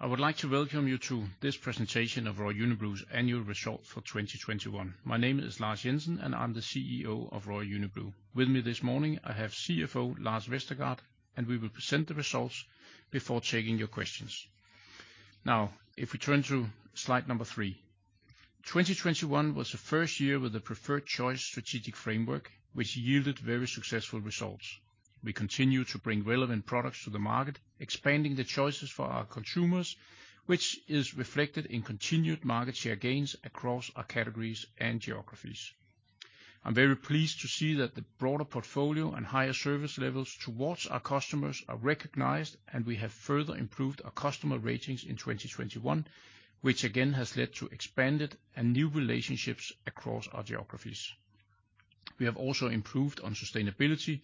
I would like to welcome you to this presentation of Royal Unibrew's Annual Results for 2021. My name is Lars Jensen, and I'm the CEO of Royal Unibrew. With me this morning, I have CFO Lars Vestergaard, and we will present the results before taking your questions. Now, if we turn to Slide 3. 2021 was the first year with the Preferred Choice strategic framework, which yielded very successful results. We continue to bring relevant products to the market, expanding the choices for our consumers, which is reflected in continued market share gains across our categories and geographies. I'm very pleased to see that the broader portfolio and higher service levels towards our customers are recognized, and we have further improved our customer ratings in 2021, which again has led to expanded and new relationships across our geographies. We have also improved on sustainability.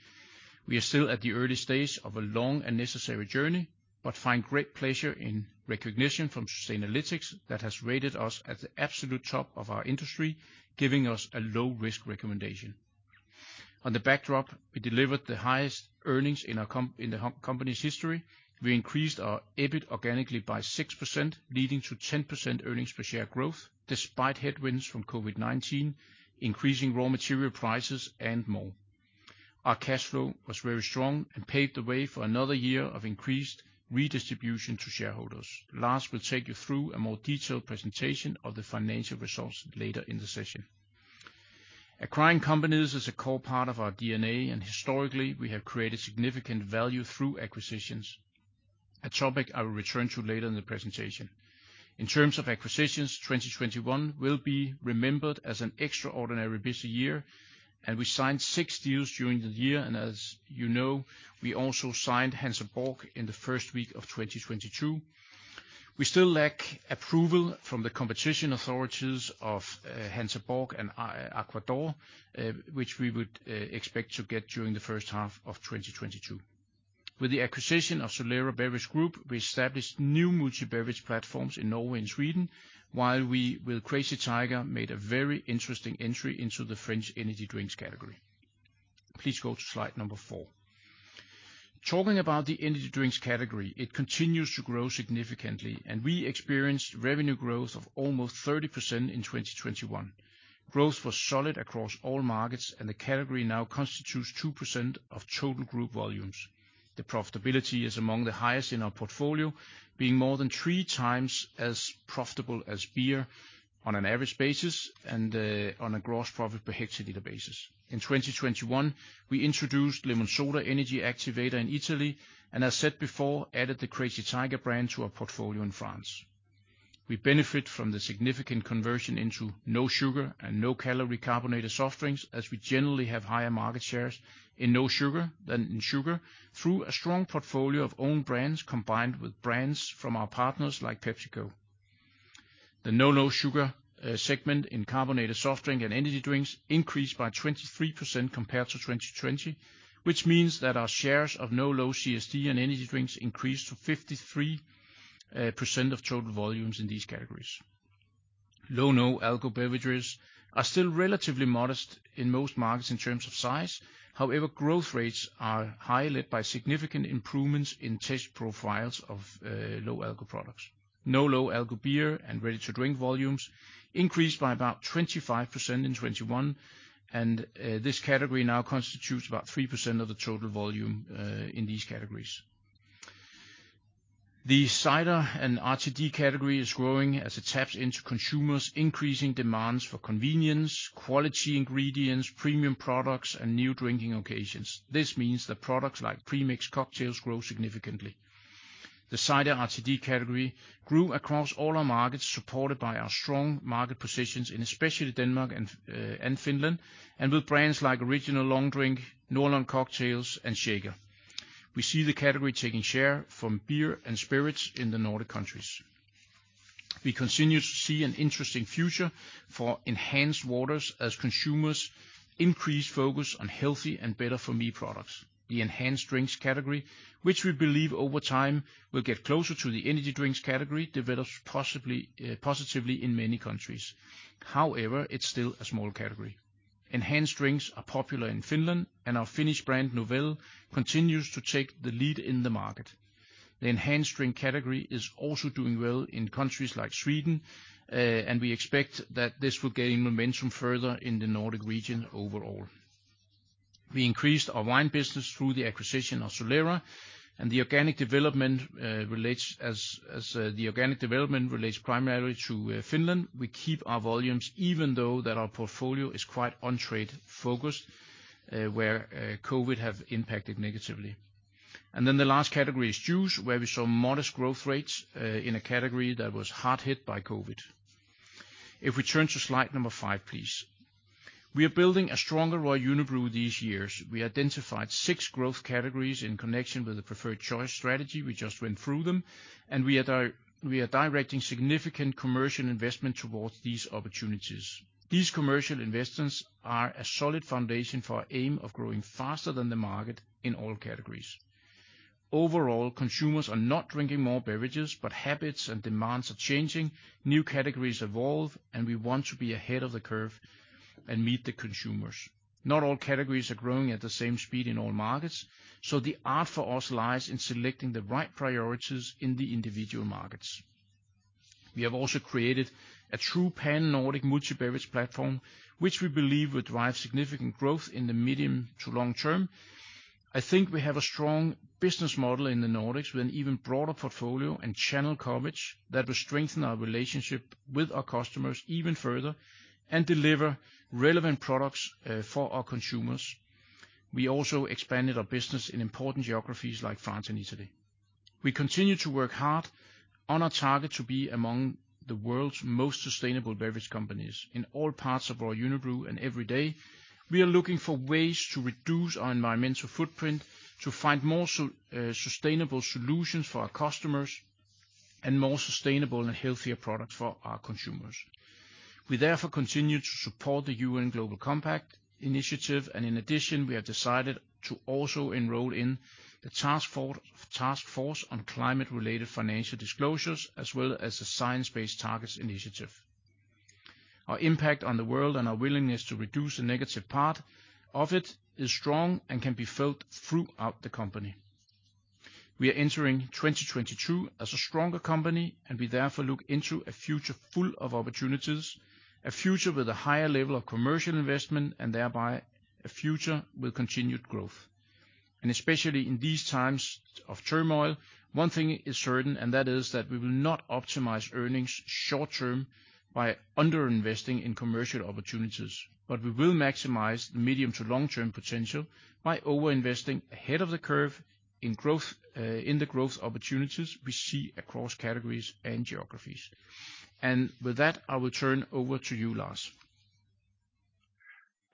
We are still at the early stage of a long and necessary journey, but find great pleasure in recognition from Sustainalytics that has rated us at the absolute top of our industry, giving us a low-risk recommendation. On the backdrop, we delivered the highest earnings in our company's history. We increased our EBIT organically by 6%, leading to 10% earnings per share growth despite headwinds from COVID-19, increasing raw material prices and more. Our cash flow was very strong and paved the way for another year of increased redistribution to shareholders. Lars will take you through a more detailed presentation of the financial results later in the session. Acquiring companies is a core part of our DNA, and historically, we have created significant value through acquisitions, a topic I will return to later in the presentation. In terms of acquisitions, 2021 will be remembered as an extraordinarily busy year, and we signed six deals during the year, and as you know, we also signed Hansa Borg in the first week of 2022. We still lack approval from the competition authorities of Hansa Borg and Aqua d'Or, which we would expect to get during the first half of 2022. With the acquisition of Solera Beverage Group, we established new multi-beverage platforms in Norway and Sweden, while we, with Crazy Tiger, made a very interesting entry into the French energy drinks category. Please go to Slide 4. Talking about the energy drinks category, it continues to grow significantly, and we experienced revenue growth of almost 30% in 2021. Growth was solid across all markets, and the category now constitutes 2% of total group volumes. The profitability is among the highest in our portfolio, being more than 3.0x as profitable as beer on an average basis and on a gross profit per hectoliter basis. In 2021, we introduced Lemonsoda Energy Activator in Italy, and as said before, added the Crazy Tiger brand to our portfolio in France. We benefit from the significant conversion into no sugar and no calorie carbonated soft drinks, as we generally have higher market shares in no sugar than in sugar through a strong portfolio of own brands combined with brands from our partners like PepsiCo. The no low sugar segment in carbonated soft drink and energy drinks increased by 23% compared to 2020, which means that our shares of no low CSD and energy drinks increased to 53% of total volumes in these categories. Low- and no-alc beverages are still relatively modest in most markets in terms of size. However, growth rates are high, led by significant improvements in taste profiles of low-alc products. No- and low-alc beer and ready-to-drink volumes increased by about 25% in 2021, and this category now constitutes about 3% of the total volume in these categories. The cider and RTD category is growing as it taps into consumers' increasing demands for convenience, quality ingredients, premium products, and new drinking occasions. This means that products like pre-mixed cocktails grow significantly. The cider RTD category grew across all our markets, supported by our strong market positions in especially Denmark and Finland, and with brands like Original Long Drink, Nohrlund, and Shaker. We see the category taking share from beer and spirits in the Nordic countries. We continue to see an interesting future for enhanced waters as consumers increase focus on healthy and better-for-me products. The enhanced drinks category, which we believe over time will get closer to the energy drinks category, develops positively in many countries. However, it's still a small category. Enhanced drinks are popular in Finland, and our Finnish brand Novelle continues to take the lead in the market. The enhanced drink category is also doing well in countries like Sweden, and we expect that this will gain momentum further in the Nordic region overall. We increased our wine business through the acquisition of Solera, and the organic development relates primarily to Finland. We keep our volumes even though our portfolio is quite on-trade focused, where COVID-19 have impacted negatively. The last category is juice, where we saw modest growth rates in a category that was hard hit by COVID-19. If we turn to slide number five, please. We are building a stronger Royal Unibrew these years. We identified six growth categories in connection with The Preferred Choice strategy. We just went through them, and we are directing significant commercial investment towards these opportunities. These commercial investments are a solid foundation for our aim of growing faster than the market in all categories. Overall, consumers are not drinking more beverages, but habits and demands are changing, new categories evolve, and we want to be ahead of the curve and meet the consumers. Not all categories are growing at the same speed in all markets, so the art for us lies in selecting the right priorities in the individual markets. We have also created a true pan-Nordic multi-beverage platform, which we believe will drive significant growth in the medium to long term. I think we have a strong business model in the Nordics with an even broader portfolio and channel coverage that will strengthen our relationship with our customers even further and deliver relevant products for our consumers. We also expanded our business in important geographies like France and Italy. We continue to work hard on our target to be among the world's most sustainable beverage companies. In all parts of Royal Unibrew and every day, we are looking for ways to reduce our environmental footprint, to find more sustainable solutions for our customers, and more sustainable and healthier products for our consumers. We therefore continue to support the UN Global Compact Initiative, and in addition, we have decided to also enroll in the Task Force on Climate-related Financial Disclosures, as well as the Science Based Targets initiative. Our impact on the world and our willingness to reduce the negative part of it is strong and can be felt throughout the company. We are entering 2022 as a stronger company, and we therefore look into a future full of opportunities, a future with a higher level of commercial investment, and thereby a future with continued growth. Especially in these times of turmoil, one thing is certain, and that is that we will not optimize earnings short term by under-investing in commercial opportunities. We will maximize the medium to long term potential by over-investing ahead of the curve in growth, in the growth opportunities we see across categories and geographies. With that, I will turn over to you, Lars.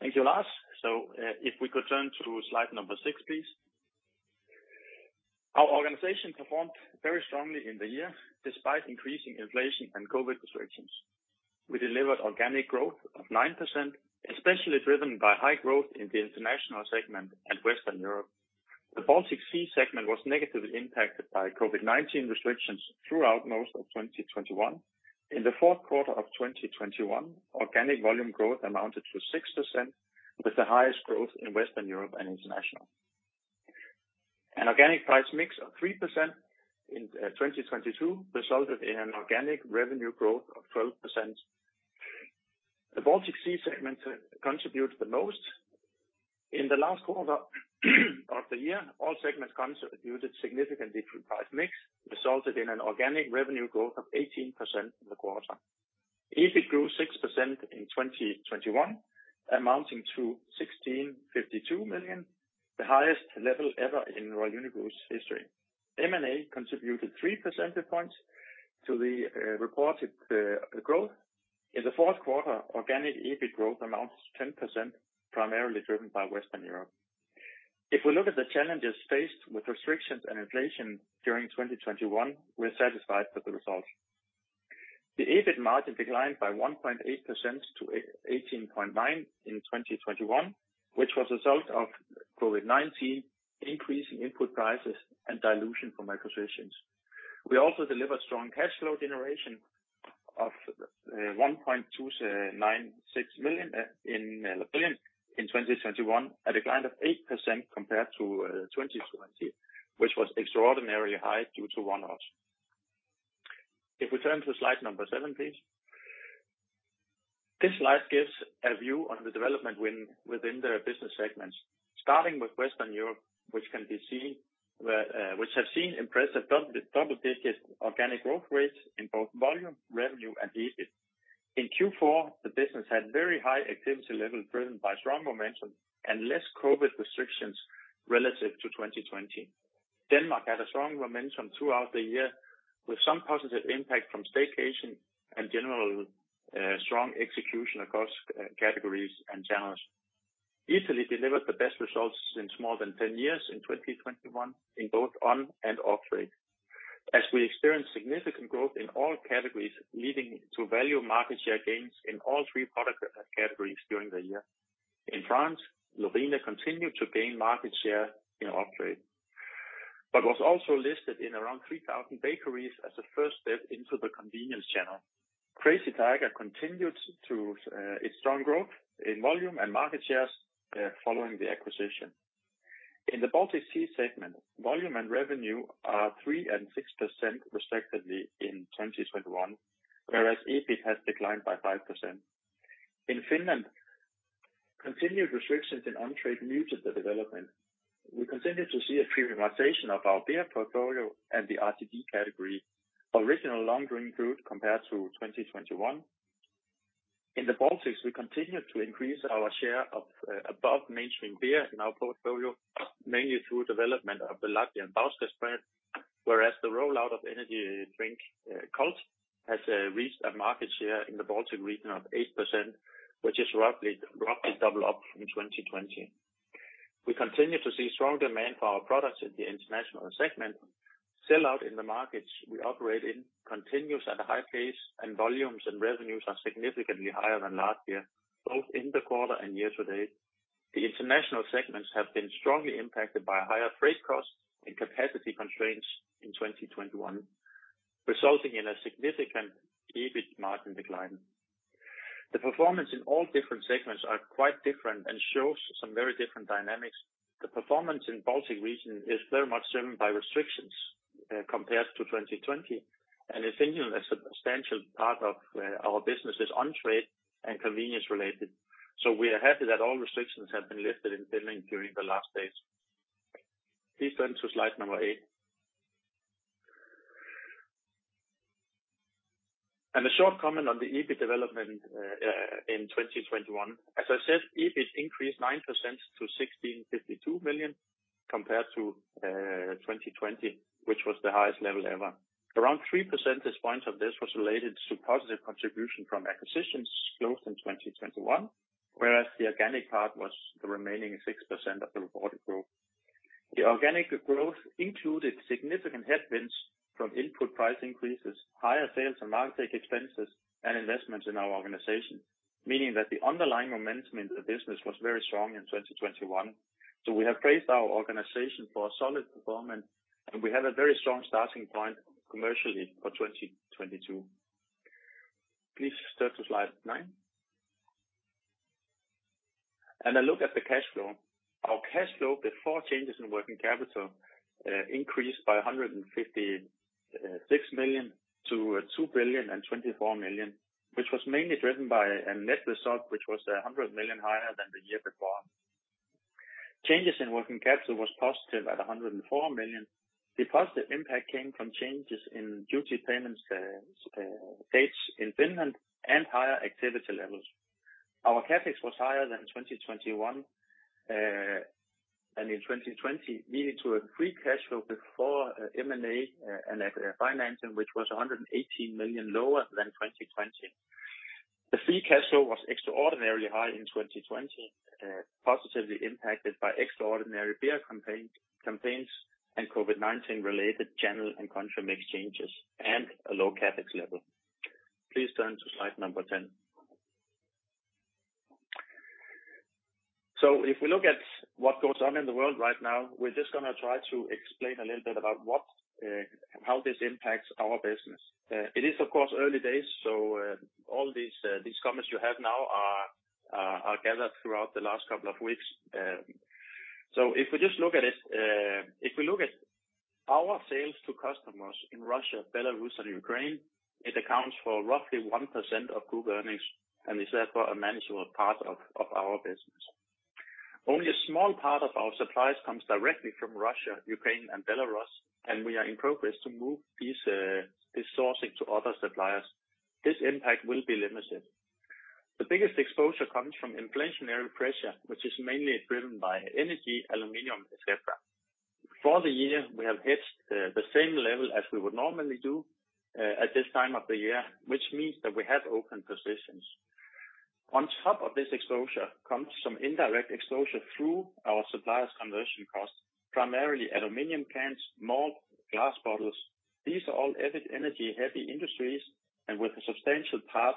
Thank you, Lars. If we could turn to Slide 6, please. Our organization performed very strongly in the year despite increasing inflation and COVID-19 restrictions. We delivered organic growth of 9%, especially driven by high growth in the international segment and Western Europe. The Baltics segment was negatively impacted by COVID-19 restrictions throughout most of 2021. In the Q4 2021, organic volume growth amounted to 6%, with the highest growth in Western Europe and international. An organic price mix of 3% in 2022 resulted in an organic revenue growth of 12%. The Baltics segment contributed the most. In the last quarter of the year, all segments contributed significantly to price mix, resulted in an organic revenue growth of 18% in the quarter. EBIT grew 6% in 2021, amounting to 1,652 million, the highest level ever in Royal Unibrew's history. M&A contributed 3% to the reported growth. In the fourth quarter, organic EBIT growth amounts 10%, primarily driven by Western Europe. If we look at the challenges faced with restrictions and inflation during 2021, we're satisfied with the result. The EBIT margin declined by 1.8% to 18.9% in 2021, which was a result of COVID-19 increasing input prices and dilution from acquisitions. We also delivered strong cash flow generation of 1.296 billion in 2021, a decline of 8% compared to 2020, which was extraordinarily high due to one-offs. If we turn to Slide 7, please. This Slide gives a view on the development within the business segments, starting with Western Europe, which can be seen, which have seen impressive double-digit organic growth rates in both volume, revenue, and EBIT. In Q4, the business had very high activity levels driven by strong momentum and less COVID-19 restrictions relative to 2020. Denmark had a strong momentum throughout the year with some positive impact from staycation and general, strong execution across categories and channels. Italy delivered the best results since more than 10 years in 2021 in both on and off-trade, as we experienced significant growth in all categories leading to value market share gains in all three product categories during the year. In France, Lorina continued to gain market share in off-trade, but was also listed in around 3,000 bakeries as a first step into the convenience channel. Crazy Tiger continued to its strong growth in volume and market shares following the acquisition. In the Baltics segment, volume and revenue are 3% and 6% respectively in 2021, whereas EBIT has declined by 5%. In Finland, continued restrictions in on-trade muted the development. We continued to see a premiumization of our beer portfolio and the RTD category, Original Long Drink included, compared to 2021. In the Baltics, we continued to increase our share of above mainstream beer in our portfolio, mainly through development of the Latvian Bauskas brand, whereas the rollout of energy drink CULT has reached a market share in the Baltic region of 8%, which is roughly double up from 2020. We continue to see strong demand for our products in the international segment. Sell-out in the markets we operate in continues at a high pace, and volumes and revenues are significantly higher than last year, both in the quarter and year to date. The international segments have been strongly impacted by higher freight costs and capacity constraints in 2021, resulting in a significant EBIT margin decline. The performance in all different segments are quite different and shows some very different dynamics. The performance in Baltic region is very much driven by restrictions, compared to 2020, and essentially a substantial part of our business is on trade and convenience-related. We are happy that all restrictions have been lifted in Finland during the last days. Please turn to slide number 8. A short comment on the EBIT development in 2021. As I said, EBIT increased 9% to 16,652 million compared to 2020, which was the highest level ever. Around 3% of this was related to positive contribution from acquisitions closed in 2021, whereas the organic part was the remaining 6% of the reported growth. The organic growth included significant headwinds from input price increases, higher sales and market take expenses, and investments in our organization, meaning that the underlying momentum in the business was very strong in 2021. We have praised our organization for a solid performance, and we have a very strong starting point commercially for 2022. Please turn to Slide 9. A look at the cash flow. Our cash flow before changes in working capital increased by 156 million to 2,024 million, which was mainly driven by a net result which was 100 million higher than the year before. Changes in working capital was positive at 104 million. The positive impact came from changes in duty payment dates in Finland and higher activity levels. Our CapEx was higher than in 2021 and in 2020, leading to a free cash flow before M&A and financing, which was 118 million lower than 2020. The free cash flow was extraordinarily high in 2020, positively impacted by extraordinary beer campaigns and COVID-19 related channel and country mix changes and a low CapEx level. Please turn to Slide 10. If we look at what goes on in the world right now, we're just gonna try to explain a little bit about what, how this impacts our business. It is of course early days, all these comments you have now are gathered throughout the last couple of weeks. If we look at our sales to customers in Russia, Belarus, and Ukraine, it accounts for roughly 1% of group earnings, and is therefore a manageable part of our business. Only a small part of our supplies comes directly from Russia, Ukraine, and Belarus, and we are in progress to move this sourcing to other suppliers. This impact will be limited. The biggest exposure comes from inflationary pressure, which is mainly driven by energy, aluminum, et cetera. For the year, we have hedged the same level as we would normally do at this time of the year, which means that we have open positions. On top of this exposure comes some indirect exposure through our suppliers' conversion costs, primarily aluminum cans, malt, glass bottles. These are all energy-heavy industries, and a substantial part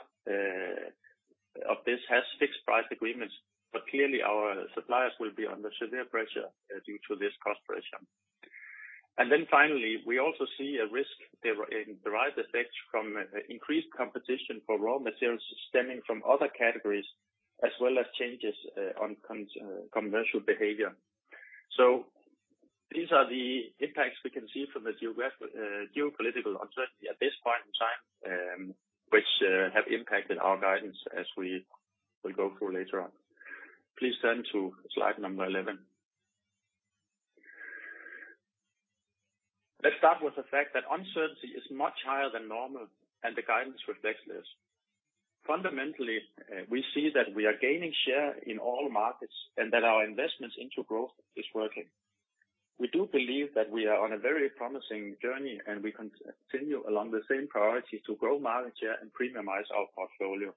of this has fixed price agreements, but clearly our suppliers will be under severe pressure due to this cost pressure. Then finally, we also see a risk in derived effects from increased competition for raw materials stemming from other categories, as well as changes on commercial behavior. These are the impacts we can see from the geopolitical uncertainty at this point in time, which have impacted our guidance as we will go through later on. Please turn to Slide 11. Let's start with the fact that uncertainty is much higher than normal, and the guidance reflects this. Fundamentally, we see that we are gaining share in all markets, and that our investments into growth is working. We do believe that we are on a very promising journey, and we continue along the same priority to grow market share and premiumize our portfolio.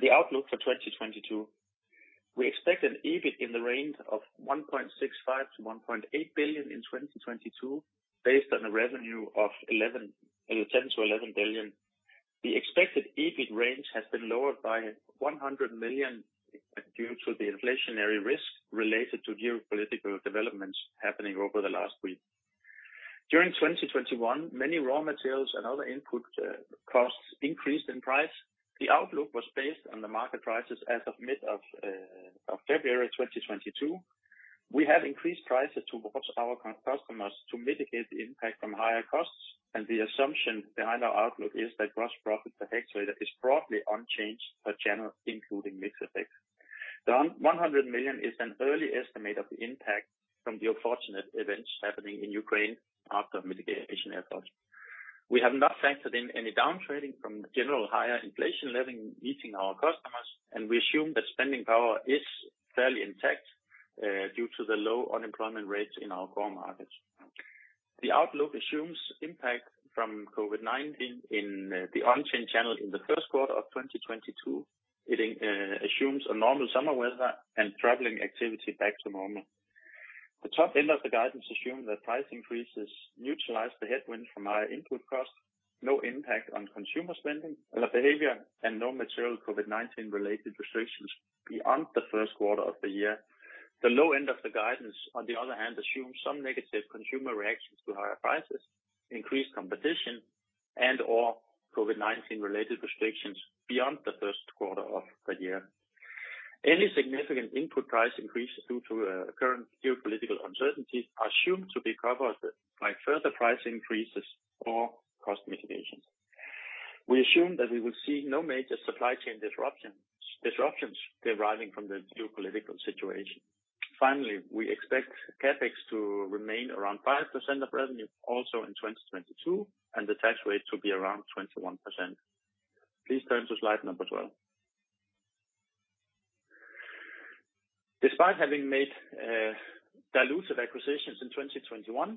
The outlook for 2022. We expect an EBIT in the range of 1.65 billion-1.8 billion in 2022, based on a revenue of 10 billion-11 billion. The expected EBIT range has been lowered by 100 million due to the inflationary risk related to geopolitical developments happening over the last week. During 2021, many raw materials and other input costs increased in price. The outlook was based on the market prices as of mid-February 2022. We have increased prices to our customers to mitigate the impact from higher costs, and the assumption behind our outlook is that gross profit per hectoliter is broadly unchanged per channel, including mix effects. The 100 million is an early estimate of the impact from the unfortunate events happening in Ukraine after mitigation efforts. We have not factored in any downtrading from general higher inflation hitting our customers, and we assume that spending power is fairly intact due to the low unemployment rates in our core markets. The outlook assumes impact from COVID-19 in the on-trade channel in the Q1 2022. It assumes a normal summer weather and traveling activity back to normal. The top end of the guidance assumes that price increases neutralize the headwind from higher input costs, no impact on consumer spending, behavior, and no material COVID-19 related restrictions beyond the first quarter of the year. The low end of the guidance, on the other hand, assumes some negative consumer reactions to higher prices, increased competition, and/or COVID-19 related restrictions beyond the Q1 of the year. Any significant input price increases due to current geopolitical uncertainties are assumed to be covered by further price increases or cost mitigations. We assume that we will see no major supply chain disruptions deriving from the geopolitical situation. Finally, we expect CapEx to remain around 5% of revenue also in 2022, and the tax rate to be around 21%. Please turn to Slide 12. Despite having made dilutive acquisitions in 2021,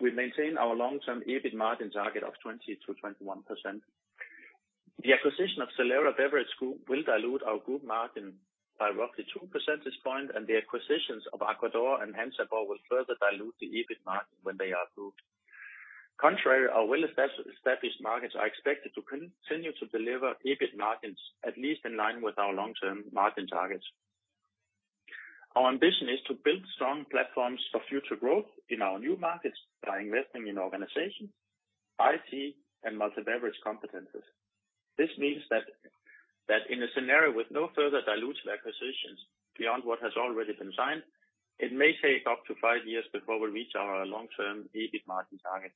we maintain our long-term EBIT margin target of 20%-21%. The acquisition of Solera Beverage Group will dilute our group margin by roughly 2%, and the acquisitions of Aqua d'Or and Hansa Borg will further dilute the EBIT margin when they are approved. In contrast, our well-established markets are expected to continue to deliver EBIT margins at least in line with our long-term margin targets. Our ambition is to build strong platforms for future growth in our new markets by investing in organizations, IT, and multi-beverage competencies. This means that in a scenario with no further dilutive acquisitions beyond what has already been signed, it may take up to five years before we reach our long-term EBIT margin target.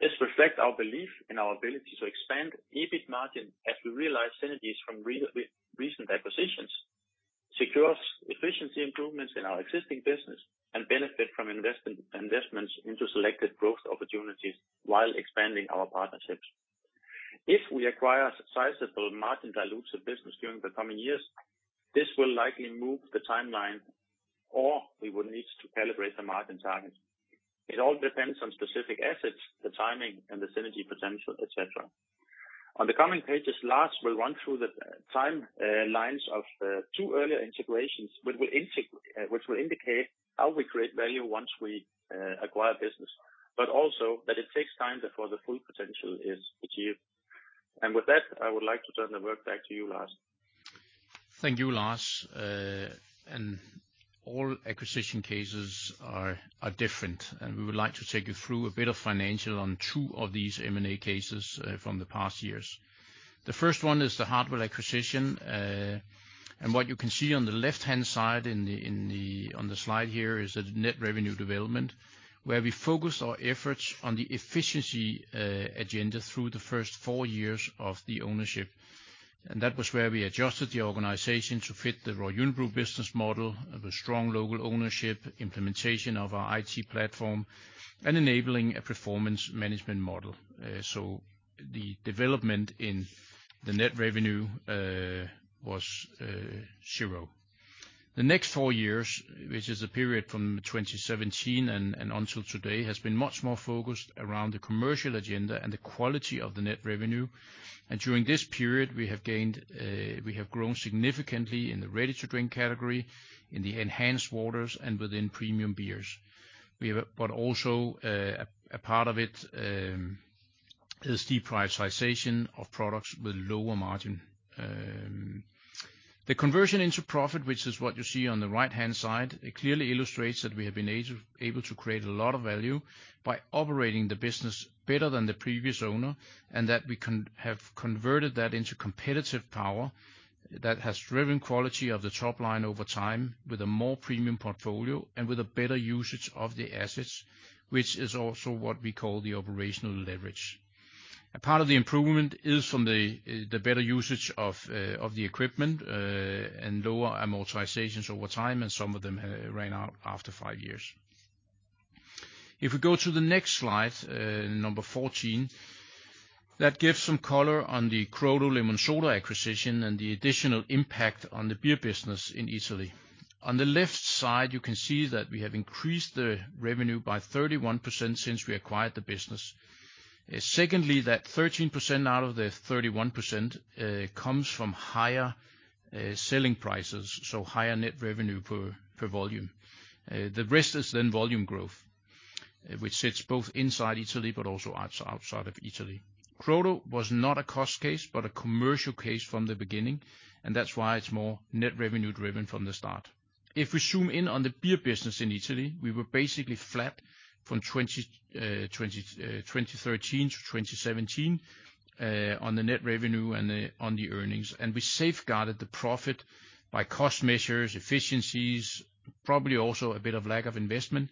This reflects our belief in our ability to expand EBIT margin as we realize synergies from recent acquisitions, secure efficiency improvements in our existing business, and benefit from investment, investments into selected growth opportunities while expanding our partnerships. If we acquire a sizable margin dilutive business during the coming years, this will likely move the timeline, or we will need to calibrate the margin target. It all depends on specific assets, the timing, and the synergy potential, et cetera. On the coming pages, Lars will run through the timelines of two earlier integrations, which will indicate how we create value once we acquire business, but also that it takes time before the full potential is achieved. With that, I would like to turn the word back to you, Lars. Thank you, Lars. All acquisition cases are different, and we would like to take you through a bit of financial on two of these M&A cases from the past years. The first one is the Hartwall acquisition, and what you can see on the left-hand side on the slide here is the net revenue development, where we focused our efforts on the efficiency agenda through the first four years of the ownership. That was where we adjusted the organization to fit the Royal Unibrew business model with strong local ownership, implementation of our IT platform, and enabling a performance management model. The development in the net revenue was 0. The next four years, which is a period from 2017 and until today, has been much more focused around the commercial agenda and the quality of the net revenue. During this period, we have grown significantly in the ready-to-drink category, in the enhanced waters, and within premium beers. Also, a part of it is deprioritization of products with lower margin. The conversion into profit, which is what you see on the right-hand side, it clearly illustrates that we have been able to create a lot of value by operating the business better than the previous owner, and that we have converted that into competitive power that has driven quality of the top line over time with a more premium portfolio and with a better usage of the assets, which is also what we call the operational leverage. A part of the improvement is from the better usage of the equipment and lower amortizations over time, and some of them ran out after five years. If we go to the next Slide 14, that gives some color on the Fonti di Crodo lemon soda acquisition and the additional impact on the beer business in Italy. On the left side, you can see that we have increased the revenue by 31% since we acquired the business. Secondly, that 13% out of the 31%, comes from higher selling prices, so higher net revenue per volume. The rest is then volume growth, which sits both inside Italy but also outside of Italy. Crodo was not a cost case, but a commercial case from the beginning, and that's why it's more net revenue driven from the start. If we zoom in on the beer business in Italy, we were basically flat from 2013 to 2017, on the net revenue and the, on the earnings. We safeguarded the profit by cost measures, efficiencies, probably also a bit of lack of investment,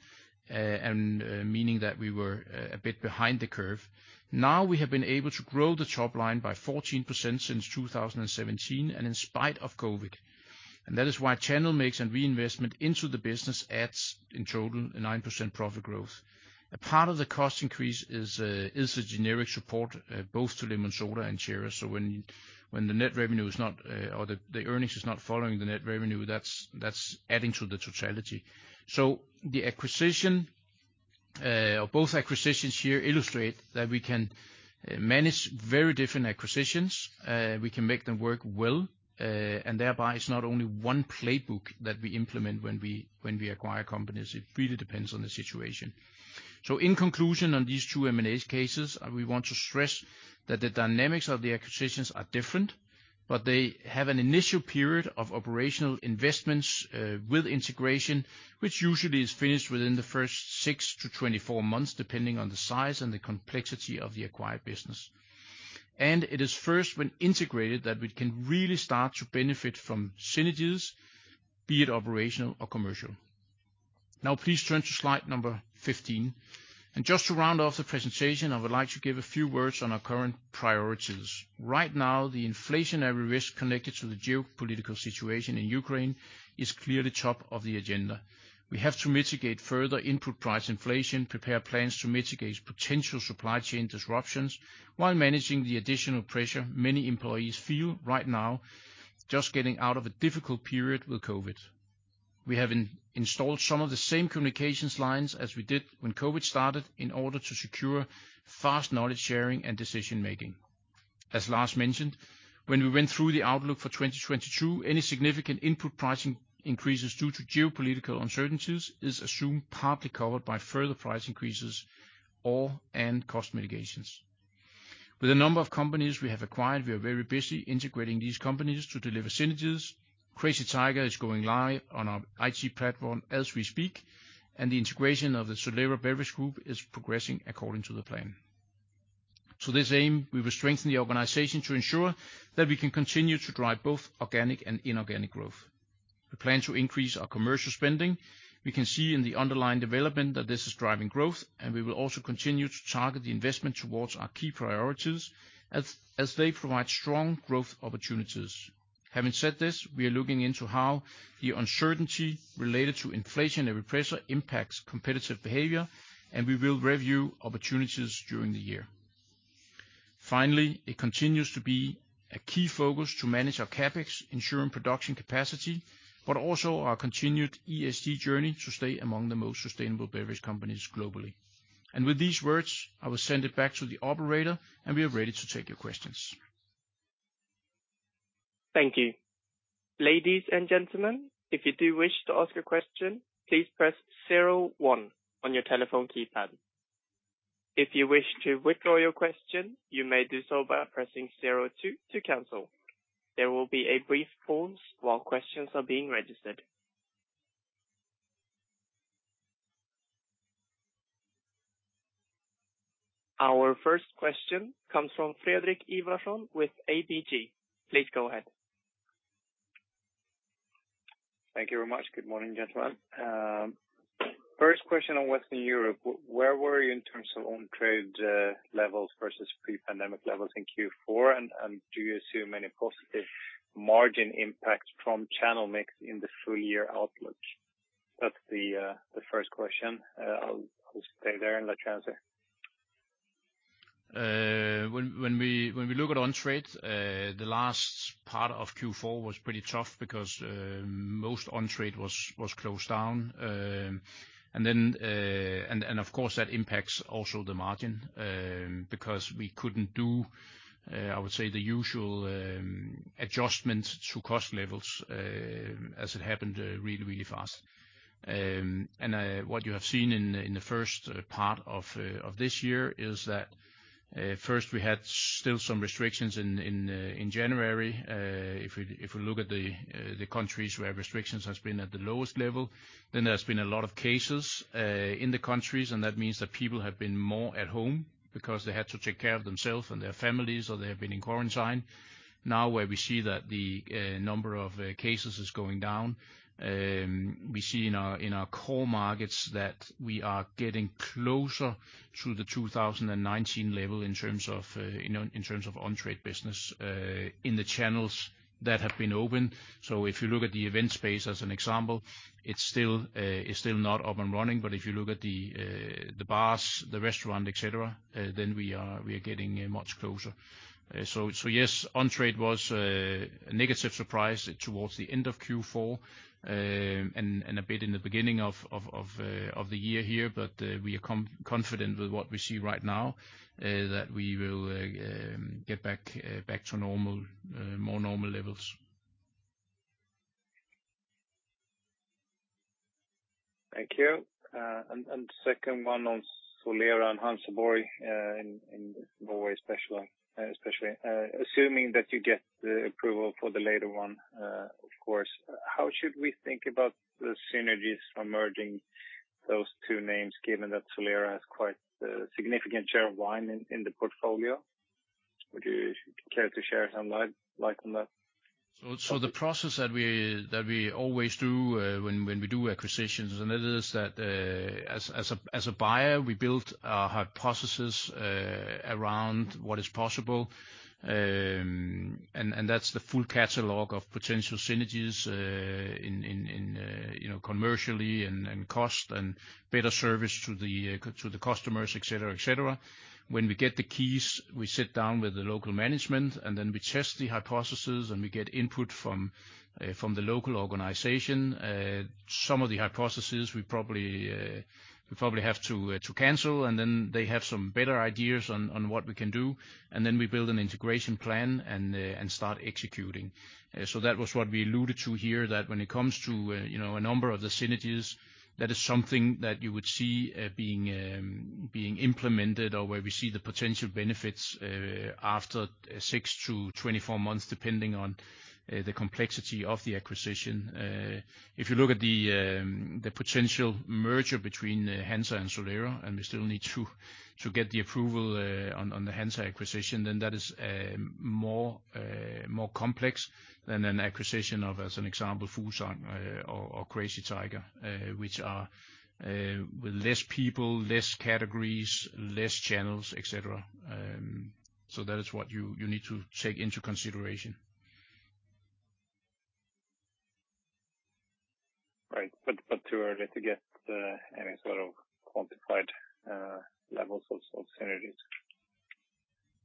and meaning that we were a bit behind the curve. Now we have been able to grow the top line by 14% since 2017, and in spite of COVID-19. That is why channel mix and reinvestment into the business adds, in total, a 9% profit growth. A part of the cost increase is a generic support both to LemonSoda and Ceres. When the net revenue is not or the earnings is not following the net revenue, that's adding to the totality. The acquisition or both acquisitions here illustrate that we can manage very different acquisitions, we can make them work well, and thereby it's not only one playbook that we implement when we acquire companies, it really depends on the situation. In conclusion on these two M&A cases, we want to stress that the dynamics of the acquisitions are different, but they have an initial period of operational investments with integration, which usually is finished within the first six to 24 months, depending on the size and the complexity of the acquired business. It is first when integrated that we can really start to benefit from synergies, be it operational or commercial. Now please turn to Slide 15. Just to round off the presentation, I would like to give a few words on our current priorities. Right now, the inflationary risk connected to the geopolitical situation in Ukraine is clearly top of the agenda. We have to mitigate further input price inflation, prepare plans to mitigate potential supply chain disruptions, while managing the additional pressure many employees feel right now just getting out of a difficult period with COVID-19. We have reinstalled some of the same communications lines as we did when COVID-19 started in order to secure fast knowledge sharing and decision-making. As Lars mentioned, when we went through the outlook for 2022, any significant input pricing increases due to geopolitical uncertainties is assumed partly covered by further price increases or and cost mitigations. With the number of companies we have acquired, we are very busy integrating these companies to deliver synergies. Crazy Tiger is going live on our IT platform as we speak, and the integration of the Solera Beverage Group is progressing according to the plan. To this aim, we will strengthen the organization to ensure that we can continue to drive both organic and inorganic growth. We plan to increase our commercial spending. We can see in the underlying development that this is driving growth, and we will also continue to target the investment towards our key priorities as they provide strong growth opportunities. Having said this, we are looking into how the uncertainty related to inflationary pressure impacts competitive behavior, and we will review opportunities during the year. Finally, it continues to be a key focus to manage our CapEx ensuring production capacity, but also our continued ESG journey to stay among the most sustainable beverage companies globally. With these words, I will send it back to the operator, and we are ready to take your questions. Thank you. Ladies and gentlemen, if you do wish to ask a question, please press one on your telephone keypad. If you wish to withdraw your question, you may do so by pressing two to cancel. There will be a brief pause while questions are being registered. Our first question comes from Fredrik Ivarsson with ABG. Please go ahead. Thank you very much. Good morning, gentlemen. First question on Western Europe. Where were you in terms of on-trade levels versus pre-pandemic levels in Q4? Do you assume any positive margin impact from channel mix in the full-year outlook? That's the first question. I'll stay there and let you answer. When we look at on-trade, the last part of Q4 was pretty tough because most on-trade was closed down. Of course, that impacts also the margin because we couldn't do I would say the usual adjustments to cost levels as it happened really fast. What you have seen in the first part of this year is that first we had still some restrictions in January. If we look at the countries where restrictions has been at the lowest level, then there's been a lot of cases in the countries, and that means that people have been more at home because they had to take care of themselves and their families, or they have been in quarantine. Now where we see that the number of cases is going down, we see in our core markets that we are getting closer to the 2019 level in terms of, in terms of on-trade business, in the channels that have been open. If you look at the event space as an example, it's still not up and running. If you look at the bars, the restaurant, et cetera, then we are getting much closer. Yes, on-trade was a negative surprise towards the end of Q4, and a bit in the beginning of the year here. We are confident with what we see right now that we will get back to normal, more normal levels. Thank you. Second one on Solera and Hansa Borg in Norway especially. Assuming that you get the approval for the latter one, of course, how should we think about the synergies from merging those two names given that Solera has quite a significant share of wine in the portfolio? Would you care to shed some light on that? The process that we always do when we do acquisitions, and it is that, as a buyer, we build our hypothesis around what is possible. That's the full catalog of potential synergies in, commercially and cost and better service to the customers, et cetera. When we get the keys, we sit down with the local management, and then we test the hypothesis, and we get input from the local organization. Some of the hypothesis we probably have to cancel, and then they have some better ideas on what we can do. Then we build an integration plan and start executing. That was what we alluded to here, that when it comes to, a number of the synergies, that is something that you would see being implemented or where we see the potential benefits after six to 24 months, depending on the complexity of the acquisition. If you look at the potential merger between Hansa and Solera, and we still need to get the approval on the Hansa acquisition, then that is more complex than an acquisition of, as an example, Fuglsang or Crazy Tiger, which are with less people, less categories, less channels, et cetera. That is what you need to take into consideration. Right. It is too early to get any sort of quantified levels of synergies.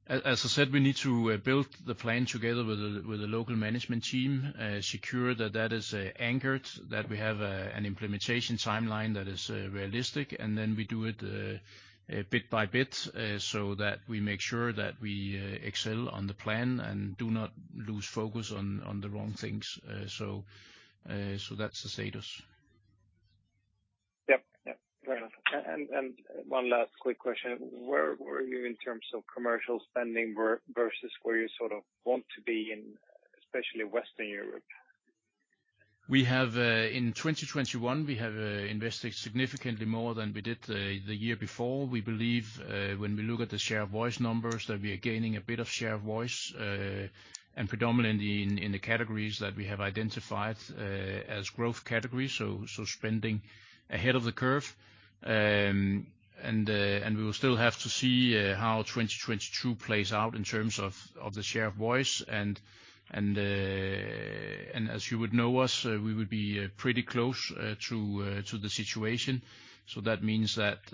As I said, we need to build the plan together with the local management team, secure that is anchored, that we have an implementation timeline that is realistic, and then we do it bit by bit, so that we make sure that we excel on the plan and do not lose focus on the wrong things. That's the status. Yep. Yep. Fair enough. One last quick question. Where were you in terms of commercial spending versus where you sort of want to be in especially Western Europe? We have in 2021 invested significantly more than we did the year before. We believe when we look at the share of voice numbers that we are gaining a bit of share of voice and predominantly in the categories that we have identified as growth categories, so spending ahead of the curve. We will still have to see how 2022 plays out in terms of the share of voice and, as you would know us, we would be pretty close to the situation. That means that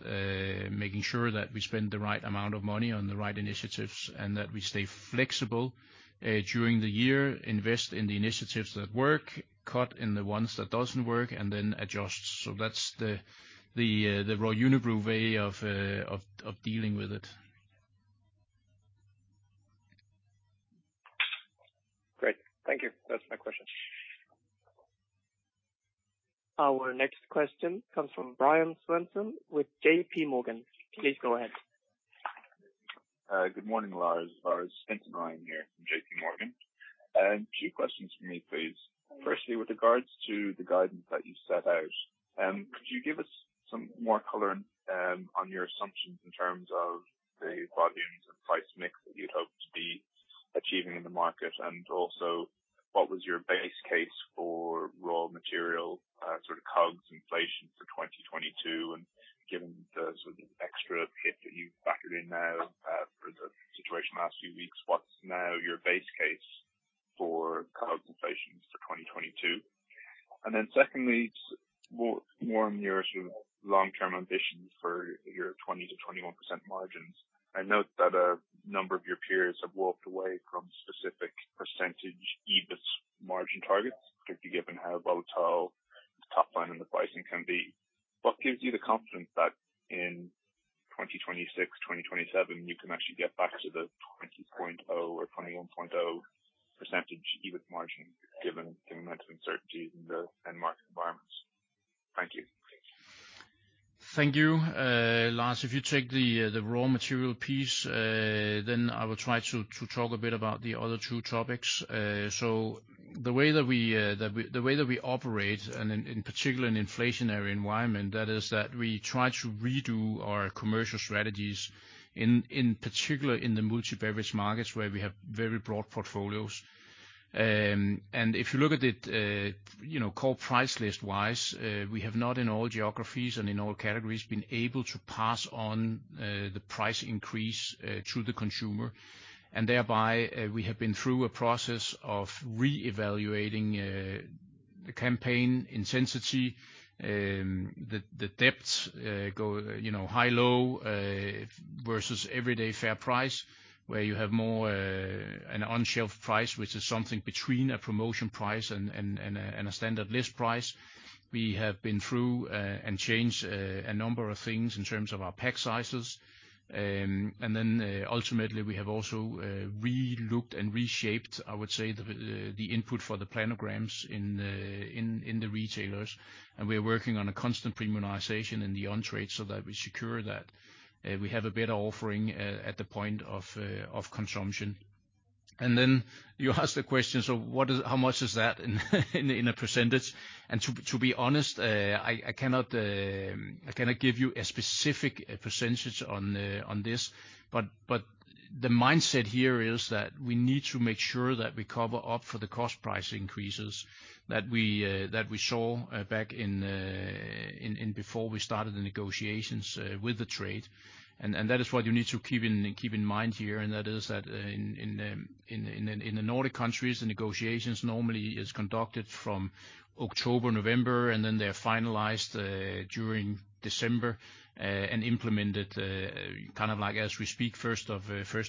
making sure that we spend the right amount of money on the right initiatives and that we stay flexible during the year, invest in the initiatives that work, cut the ones that doesn't work, and then adjust. That's the Royal Unibrew way of dealing with it. Great. Thank you. That's my questions. Our next question comes from Philip Spain with JPMorgan. Please go ahead. Good morning, Lars. Philip Spain here from JPMorgan. Two questions from me, please. Firstly, with regards to the guidance that you set out, could you give us some more color on your assumptions in terms of the volumes and price mix that you'd hope to be achieving in the market? Also what was your base case for raw material, sort of COGS inflation for 2022? Given the sort of extra hit that you've factored in now, for the situation the last few weeks, what's now your base case for COGS inflation for 2022? Then secondly, more on your sort of long-term ambitions for your 20%-21% margins. I note that a number of your peers have walked away from specific percentage EBIT margin targets, particularly given how volatile the top line and the pricing can be. What gives you the confidence that in 2026 and 2027, you can actually get back to the 20.0% or 21.0% EBIT margin given the amount of uncertainty in the end market environments? Thank you. Thank you. Lars, if you take the raw material piece, then I will try to talk a bit about the other two topics. The way that we operate, and in particular in an inflationary environment, that is, we try to redo our commercial strategies in particular in the multi-beverage markets where we have very broad portfolios. If you look at it, you know, core price list wise, we have not in all geographies and in all categories been able to pass on the price increase to the consumer. Thereby, we have been through a process of re-evaluating the campaign intensity, the depths go, high-low versus everyday fair price, where you have more an on-shelf price, which is something between a promotion price and a standard list price. We have been through and changed a number of things in terms of our pack sizes. Then, ultimately, we have also re-looked and reshaped, I would say, the input for the planograms in the retailers. We're working on a constant premiumization in the on-trade so that we secure that we have a better offering at the point of consumption. Then you ask the question, what is how much is that in a percentage? To be honest, I cannot give you a specific percentage on this. The mindset here is that we need to make sure that we cover up for the cost price increases that we saw back in before we started the negotiations with the trade. That is what you need to keep in mind here, and that is that in the Nordic countries, the negotiations normally is conducted from October, November, and then they're finalized during December and implemented kind of like as we speak, first of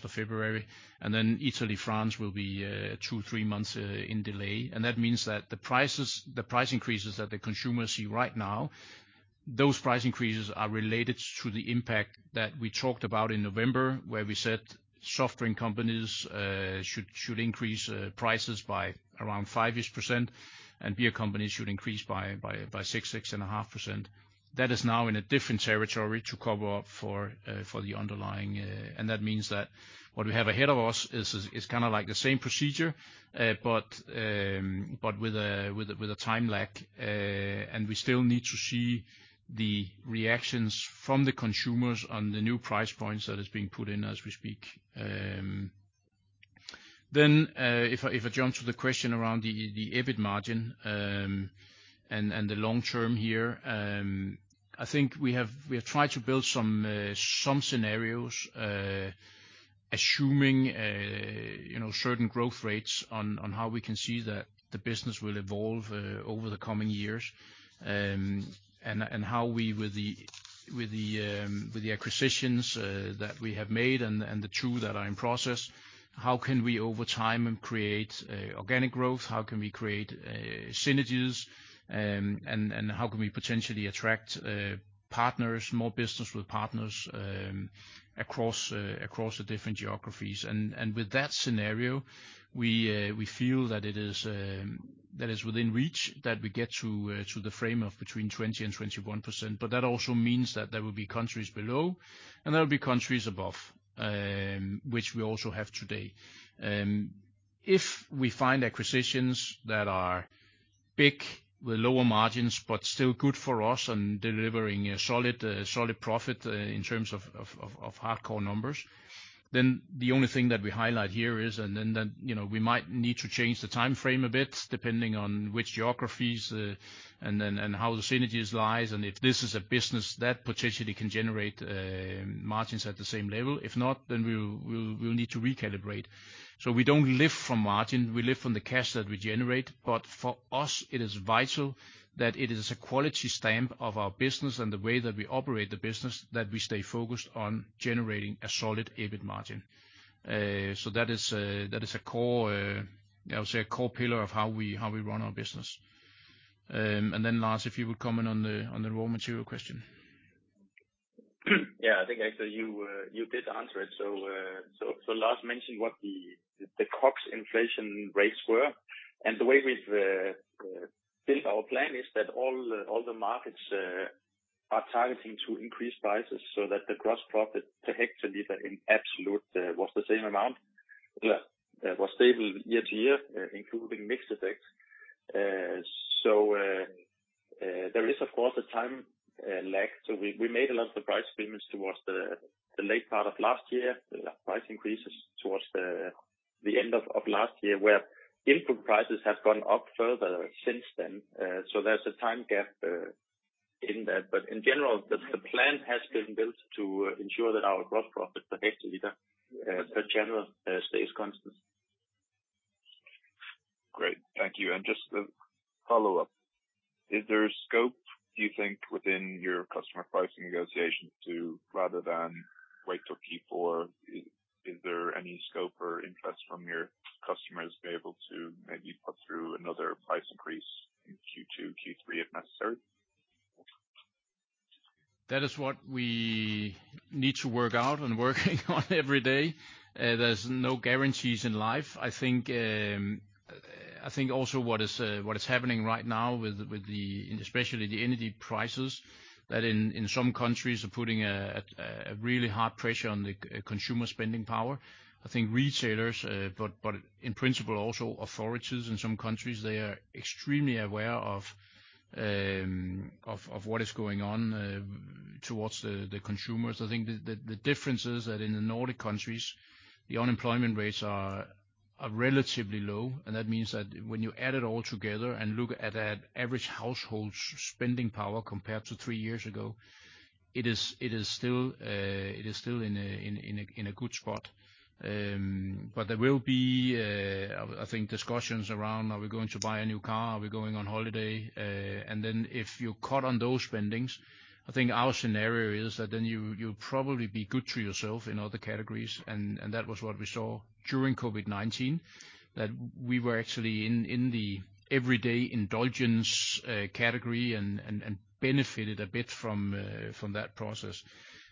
February, and then Italy, France will be two, three months in delay. That means that the prices, the price increases that the consumers see right now, those price increases are related to the impact that we talked about in November, where we said soft drink companies should increase prices by around 5%, and beer companies should increase by 6.5%. That is now in a different territory to cover up for the underlying, and that means that what we have ahead of us is kinda like the same procedure, but with a time lag. We still need to see the reactions from the consumers on the new price points that is being put in as we speak. If I jump to the question around the EBIT margin and the long term here, I think we have tried to build some scenarios, assuming you know certain growth rates on how we can see that the business will evolve over the coming years, and how we with the acquisitions that we have made and the two that are in process, how can we over time create organic growth? How can we create synergies? How can we potentially attract partners, more business with partners across the different geographies? With that scenario, we feel that it is within reach that we get to the frame of between 20% and 21%. That also means that there will be countries below, and there will be countries above, which we also have today. If we find acquisitions that are big with lower margins, but still good for us and delivering a solid profit in terms of hardcore numbers, then the only thing that we highlight here is, then, you know, we might need to change the time frame a bit depending on which geographies and how the synergies lies, and if this is a business that potentially can generate margins at the same level. If not, then we'll need to recalibrate. We don't live from margin, we live from the cash that we generate. For us, it is vital that it is a quality stamp of our business and the way that we operate the business, that we stay focused on generating a solid EBIT margin. That is a core pillar of how we run our business. Lars, if you would comment on the raw material question. Yeah. I think, Lars, you did answer it. Lars mentioned what the COGS inflation rates were. The way we've built our plan is that all the markets are targeting to increase prices so that the gross profit per liter in absolute was the same amount. That was stable year to year, including mix effects. There is of course a time lag. We made a lot of the price movements towards the late part of last year, the price increases towards the end of last year, where input prices have gone up further since then. There's a time gap in that. In general, the plan has been built to ensure that our gross profit per liter per channel stays constant. Great. Thank you. Just a follow-up. Is there a scope, do you think, within your customer pricing negotiations to rather than wait till Q4, is there any scope or interest from your customers to be able to maybe put through another price increase in Q2, Q3 if necessary? That is what we need to work out and working on every day. There's no guarantees in life. I think also what is happening right now with especially the energy prices that in some countries are putting a really hard pressure on the consumer spending power. I think retailers, but in principle also authorities in some countries, they are extremely aware of what is going on towards the consumers. I think the difference is that in the Nordic countries, the unemployment rates are relatively low, and that means that when you add it all together and look at average households spending power compared to three years ago, it is still in a good spot. There will be, I think, discussions around, are we going to buy a new car? Are we going on holiday? Then if you cut on those spending, I think our scenario is that then you'll probably be good to yourself in other categories. That was what we saw during COVID-19, that we were actually in the everyday indulgence category and benefited a bit from that process.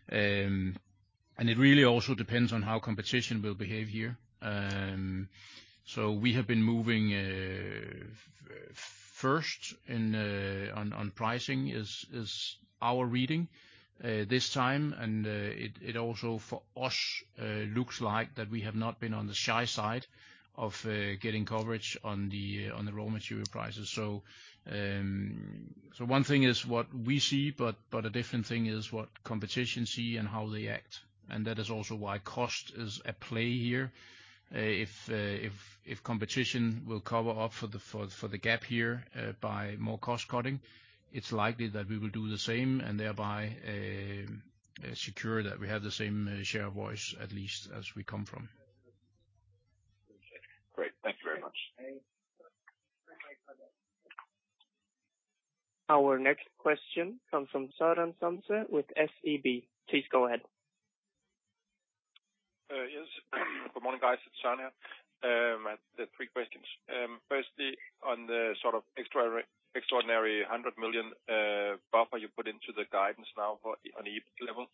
It really also depends on how competition will behave here. We have been moving first in on pricing is our reading this time, and it also for us looks like that we have not been on the shy side of getting coverage on the raw material prices. One thing is what we see, but a different thing is what competition see and how they act. That is also why cost is at play here. If competition will cover up for the gap here by more cost cutting, it's likely that we will do the same and thereby secure that we have the same share of voice at least as we come from. Great. Thank you very much. Our next question comes from Søren Samsø with SEB. Please go ahead. Good morning, guys. It's Søren here. I have three questions. Firstly, on the sort of extraordinary 100 million buffer you put into the guidance now for an EBIT level,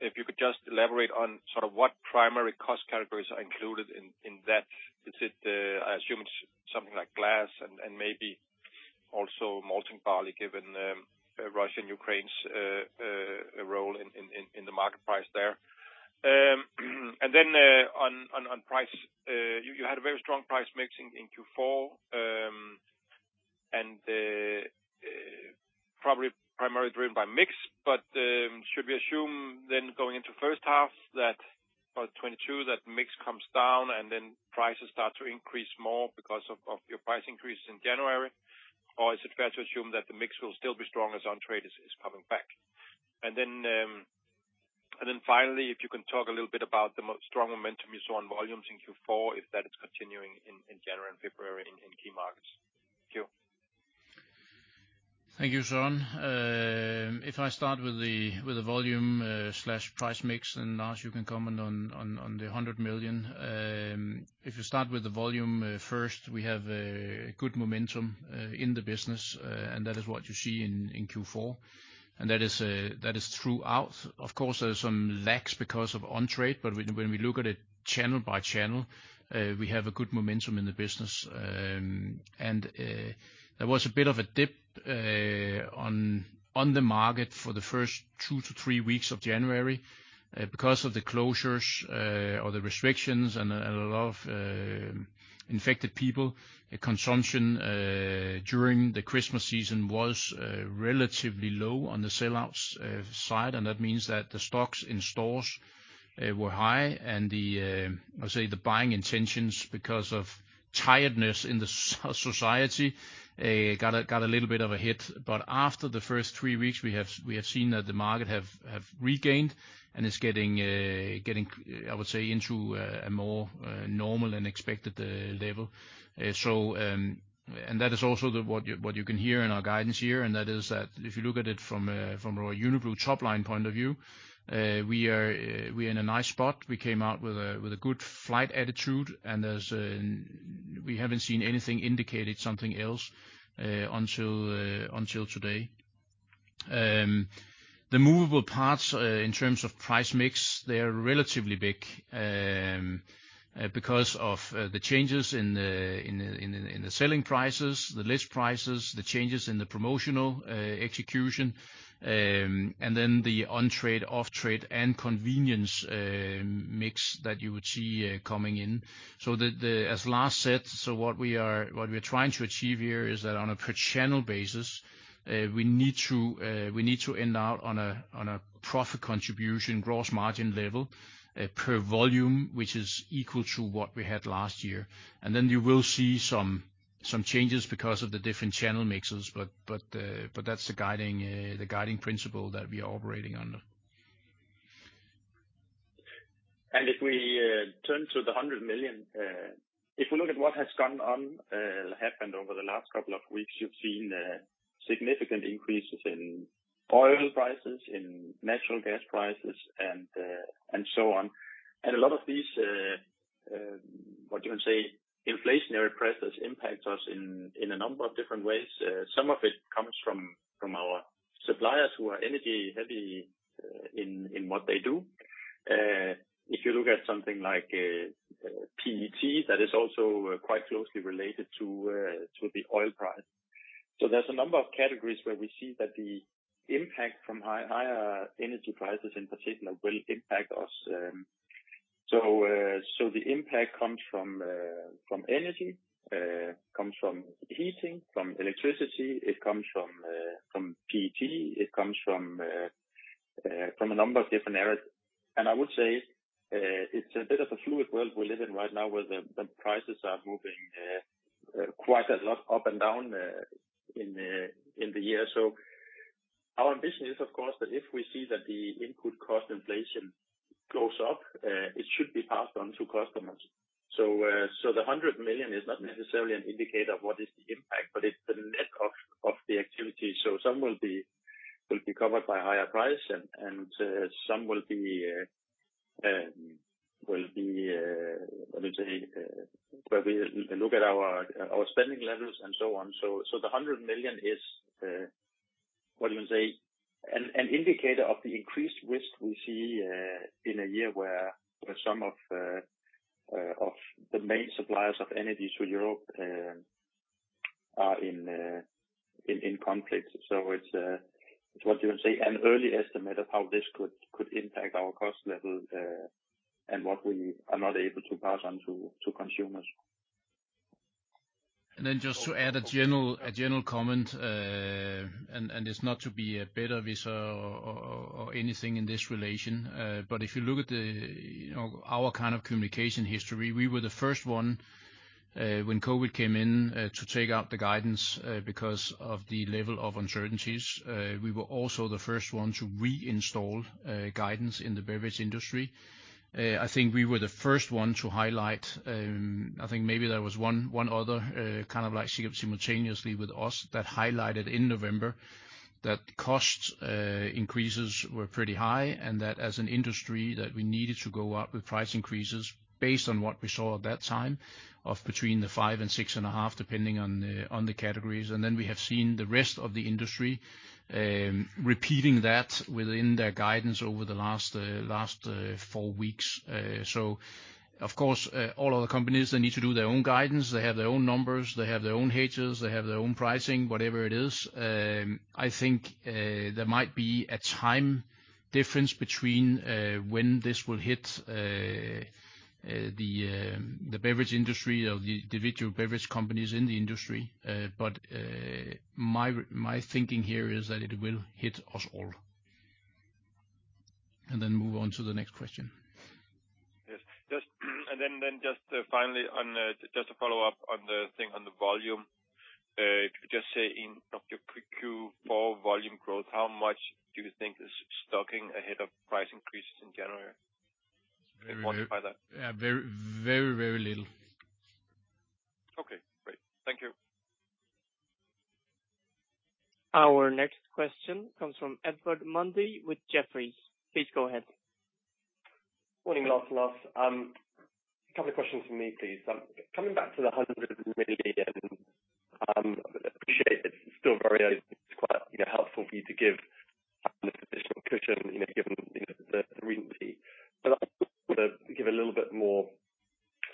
if you could just elaborate on sort of what primary cost categories are included in that. Is it, I assume something like glass and maybe also molten poly, given Russia and Ukraine's role in the market price there. And then on price, you had a very strong price mixing in Q4, and probably primarily driven by mix. Should we assume then going into first half of 2022 that mix comes down and then prices start to increase more because of your price increase in January? Or is it fair to assume that the mix will still be strong as on-trade is coming back? Finally, if you can talk a little bit about the strong momentum you saw on volumes in Q4, if that is continuing in January and February in key markets. Thank you. Thank you, Søren Samsøe. If I start with the volume slash price mix, and Lars you can comment on the 100 million. If you start with the volume first, we have a good momentum in the business. That is what you see in Q4. That is throughout. Of course, there's some lags because of on-trade, but when we look at it channel by channel, we have a good momentum in the business. There was a bit of a dip on the market for the first two to three weeks of January because of the closures or the restrictions and a lot of infected people. Consumption during the Christmas season was relatively low on the sellouts side, and that means that the stocks in stores were high and the, I would say, the buying intentions because of tiredness in the society got a little bit of a hit. After the first three weeks we have seen that the market have regained and is getting, I would say, into a more normal and expected level. That is also what you can hear in our guidance here, and that is that if you look at it from a Unibrew top-line point of view, we are in a nice spot. We came out with a good flight attitude, and we haven't seen anything indicating something else until today. The movable parts in terms of price mix, they are relatively big because of the changes in the selling prices, the list prices, the changes in the promotional execution, and then the on-trade, off-trade and convenience mix that you would see coming in. As Lars said, what we're trying to achieve here is that on a per channel basis, we need to end up on a profit contribution gross margin level per volume, which is equal to what we had last year. You will see some changes because of the different channel mixes, but that's the guiding principle that we are operating under. If we turn to the 100 million, if we look at what happened over the last couple of weeks, you've seen significant increases in oil prices, in natural gas prices, and so on. A lot of these what you would say, inflationary pressures impact us in a number of different ways. Some of it comes from our suppliers who are energy heavy in what they do. If you look at something like PET, that is also quite closely related to the oil price. There's a number of categories where we see that the impact from higher energy prices in particular will impact us. The impact comes from energy, comes from heating, from electricity, it comes from PET, it comes from a number of different areas. I would say it's a bit of a fluid world we live in right now, where the prices are moving quite a lot up and down in the year. Our ambition is, of course, that if we see that the input cost inflation goes up, it should be passed on to customers. The 100 million is not necessarily an indicator of what is the impact, but it's the net of the activity. Some will be covered by higher price and some will be let me say where we look at our spending levels and so on. 100 million is what you would say an indicator of the increased risk we see in a year where some of the main suppliers of energy to Europe are in conflict. It's what you would say an early estimate of how this could impact our cost level and what we are not able to pass on to consumers. Just to add a general comment, it's not to be a backseat driver or anything in this relation, but if you look at, our kind of communication history, we were the first one when COVID-19 came in to take out the guidance because of the level of uncertainties. We were also the first one to reinstall guidance in the beverage industry. I think we were the first one to highlight. I think maybe there was one other, kind of like simultaneously with us that highlighted in November that cost increases were pretty high and that as an industry that we needed to go up with price increases based on what we saw at that time of between 5% and 6.5%, depending on the categories. We have seen the rest of the industry repeating that within their guidance over the last four weeks. Of course, all other companies, they need to do their own guidance. They have their own numbers, they have their own hedges, they have their own pricing, whatever it is. I think there might be a time difference between when this will hit the beverage industry or the individual beverage companies in the industry. My thinking here is that it will hit us all. Then move on to the next question. Yes. Just to follow up on the thing on the volume. If you just say of your Q4 volume growth, how much do you think is stocking ahead of price increases in January? Can you quantify that? Yeah. Very little. Okay, great. Thank you. Our next question comes from Edward Mundy with Jefferies. Please go ahead. Morning, Lars and Lars. A couple of questions from me, please. Coming back to the 100 million, I appreciate it's quite, you know, helpful for you to give an additional cushion, given, the reason. I just want to give a little bit more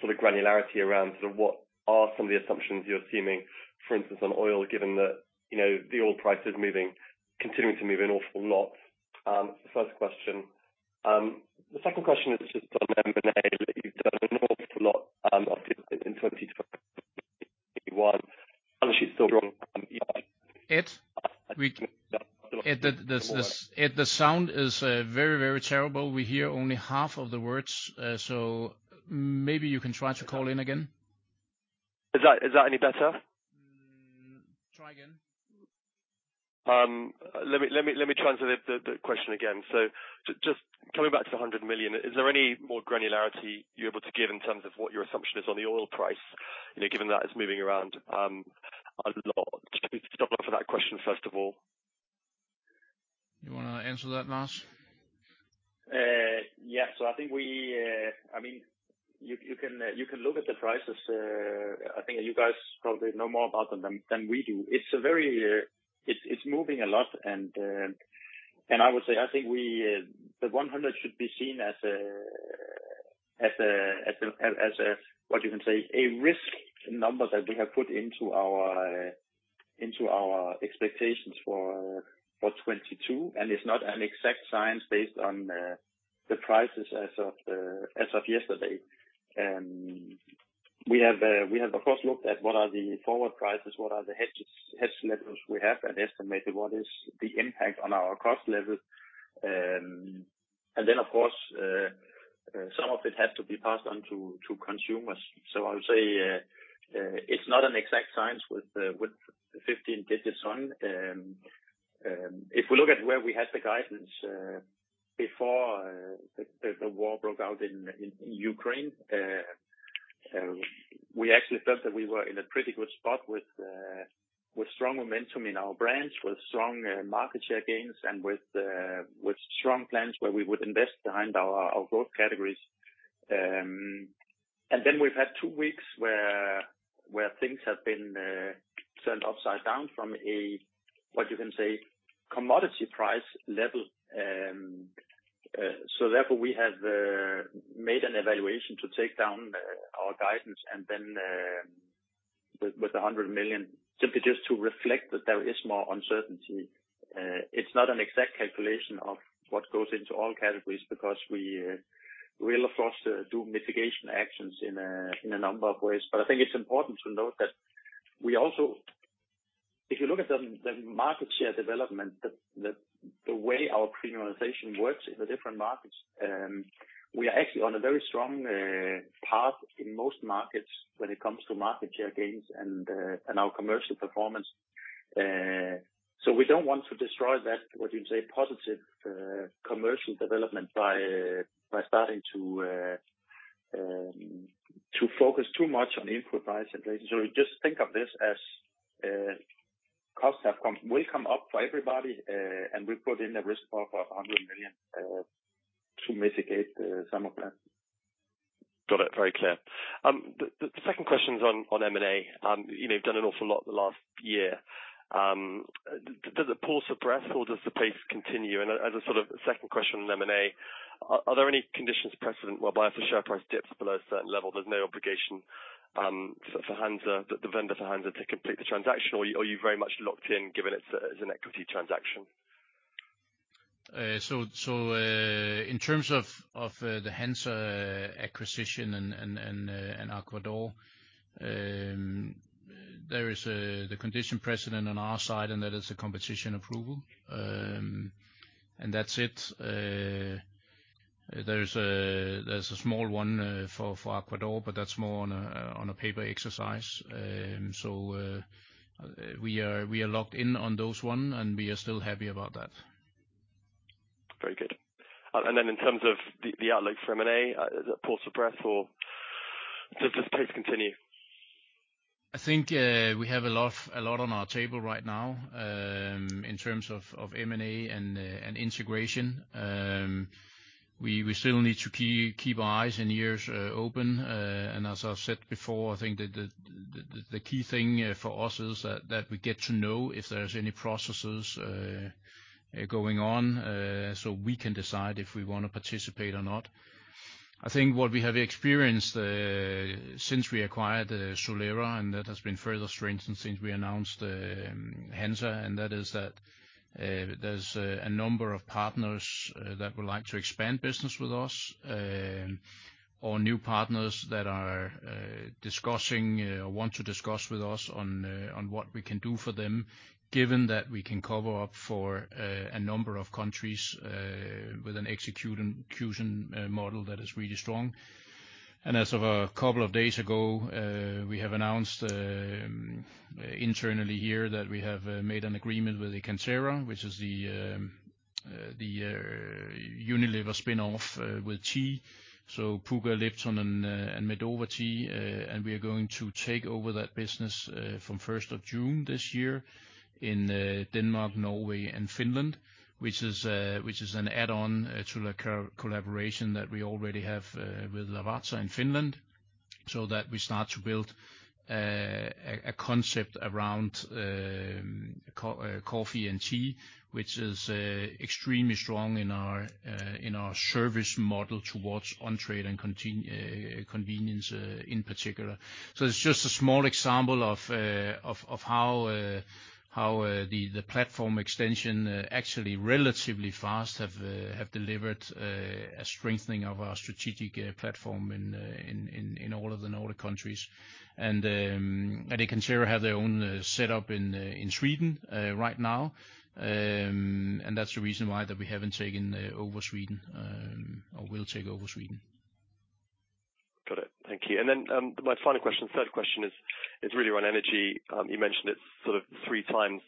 sort of granularity around sort of what are some of the assumptions you're assuming, for instance, on oil, given that, the oil price is moving, continuing to move an awful lot, first question. The second question is just on M&A. You've done an awful lot, obviously in 2021. Ed, the sound is very, very terrible. We hear only half of the words, so maybe you can try to call in again. Is that any better? Mm. Try again. Let me translate the question again. Just coming back to the 100 million, is there any more granularity you're able to give in terms of what your assumption is on the oil price, you know, given that it's moving around a lot? Just double check for that question, first of all. You wanna answer that, Lars? I think we, I mean, you can look at the prices. I think you guys probably know more about them than we do. It's moving a lot, and I would say the 100 should be seen as a, what you can say, a risk number that we have put into our expectations for 2022, and it's not an exact science based on the prices as of yesterday. We have of course looked at what are the forward prices, what are the hedges, hedge levels we have, and estimated what is the impact on our cost level. Of course, some of it has to be passed on to consumers. I would say it's not an exact science with 15 digits on. If we look at where we had the guidance before the war broke out in Ukraine, we actually felt that we were in a pretty good spot with strong momentum in our brands, with strong market share gains and with strong plans where we would invest behind our growth categories. We've had 2 weeks where things have been turned upside down from a, what you can say, commodity price level. Therefore, we have made an evaluation to take down our guidance and then with the 100 million simply just to reflect that there is more uncertainty. It's not an exact calculation of what goes into all categories because we'll of course do mitigation actions in a number of ways. But I think it's important to note that we also. If you look at the market share development, the way our premiumization works in the different markets, we are actually on a very strong path in most markets when it comes to market share gains and our commercial performance. We don't want to destroy that, what you'd say, positive commercial development by starting to focus too much on input price increases. Just think of this as, costs will come up for everybody, and we put in a risk buffer of 100 million to mitigate some of that. Got it. Very clear. The second question's on M&A. You know, you've done an awful lot the last year. Does it pause for breath or does the pace continue? As a sort of second question on M&A, are there any conditions precedent whereby if the share price dips below a certain level, there's no obligation for Hansa, the vendor, to complete the transaction, or are you very much locked in given it's an equity transaction? In terms of the Hansa acquisition and Aqua d'Or, there is the condition precedent on our side, and that is a competition approval. That's it. There's a small one for Aqua d'Or, but that's more of a paper exercise. We are locked in on those ones, and we are still happy about that. Very good. In terms of the outlook for M&A, is it pause for breath or does this pace continue? I think we have a lot on our table right now, in terms of M&A and integration. We still need to keep our eyes and ears open. As I've said before, I think the key thing for us is that we get to know if there's any processes going on, so we can decide if we wanna participate or not. I think what we have experienced since we acquired Solera, and that has been further strengthened since we announced Hansa, and that is there's a number of partners that would like to expand business with us. or new partners that want to discuss with us on what we can do for them, given that we can cover up for a number of countries with an execution model that is really strong. As of a couple of days ago, we have announced internally here that we have made an agreement with Ekaterra, which is the Unilever spinoff with tea. Pukka, Lipton and Medova tea, and we are going to take over that business from first of June this year in Denmark, Norway and Finland, which is an add-on to the collaboration that we already have with Lavazza in Finland, so that we start to build a concept around coffee and tea, which is extremely strong in our service model towards on-trade and convenience in particular. It's just a small example of how the platform extension actually relatively fast have delivered a strengthening of our strategic platform in all of the Nordic countries. Ekaterra have their own setup in Sweden right now. That's the reason why that we haven't taken over Sweden or will take over Sweden. Got it. Thank you. My final question, third question is really around energy. You mentioned it's sort of three times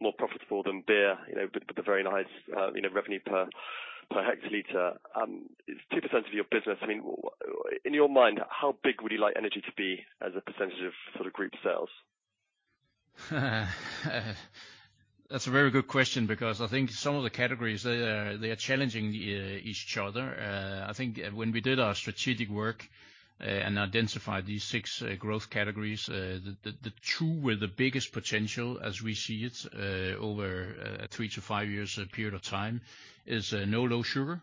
more profitable than beer, you know, but with a very nice, revenue per hectoliter. It's 2% of your business. I mean, in your mind, how big would you like energy to be as a percentage of sort of group sales? That's a very good question because I think some of the categories they are challenging each other. I think when we did our strategic work and identified these six growth categories, the two with the biggest potential, as we see it, over three to five years period of time is no low sugar,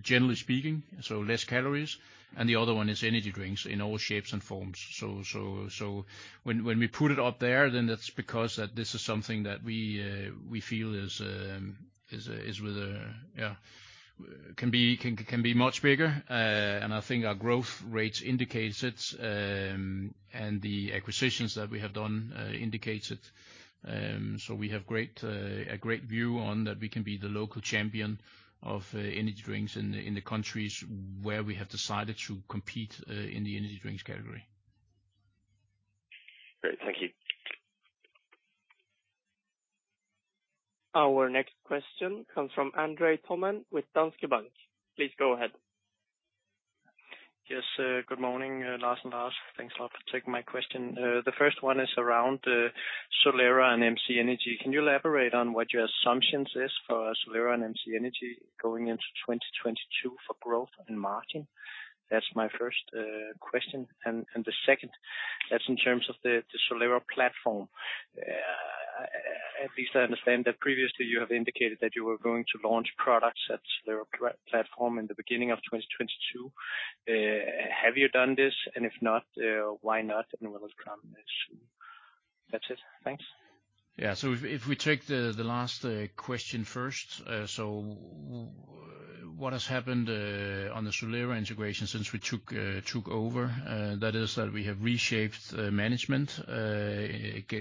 generally speaking, so less calories, and the other one is energy drinks in all shapes and forms. When we put it up there, then that's because that this is something that we feel is with a yeah can be much bigger. I think our growth rates indicates it, and the acquisitions that we have done indicates it. We have a great view on that we can be the local champion of energy drinks in the countries where we have decided to compete in the energy drinks category. Great. Thank you. Our next question comes from André Thormann with Danske Bank. Please go ahead. Yes, good morning, Lars and Lars. Thanks a lot for taking my question. The first one is around Solera and Crazy Tiger. Can you elaborate on what your assumptions is for Solera and Crazy Tiger going into 2022 for growth and margin? That's my first question. The second is in terms of the Solera platform. At least I understand that previously you have indicated that you were going to launch products at Solera platform in the beginning of 2022. Have you done this? And if not, why not? And when will this come? That's it. Thanks. If we take the last question first, what has happened on the Solera integration since we took over, that is that we have reshaped management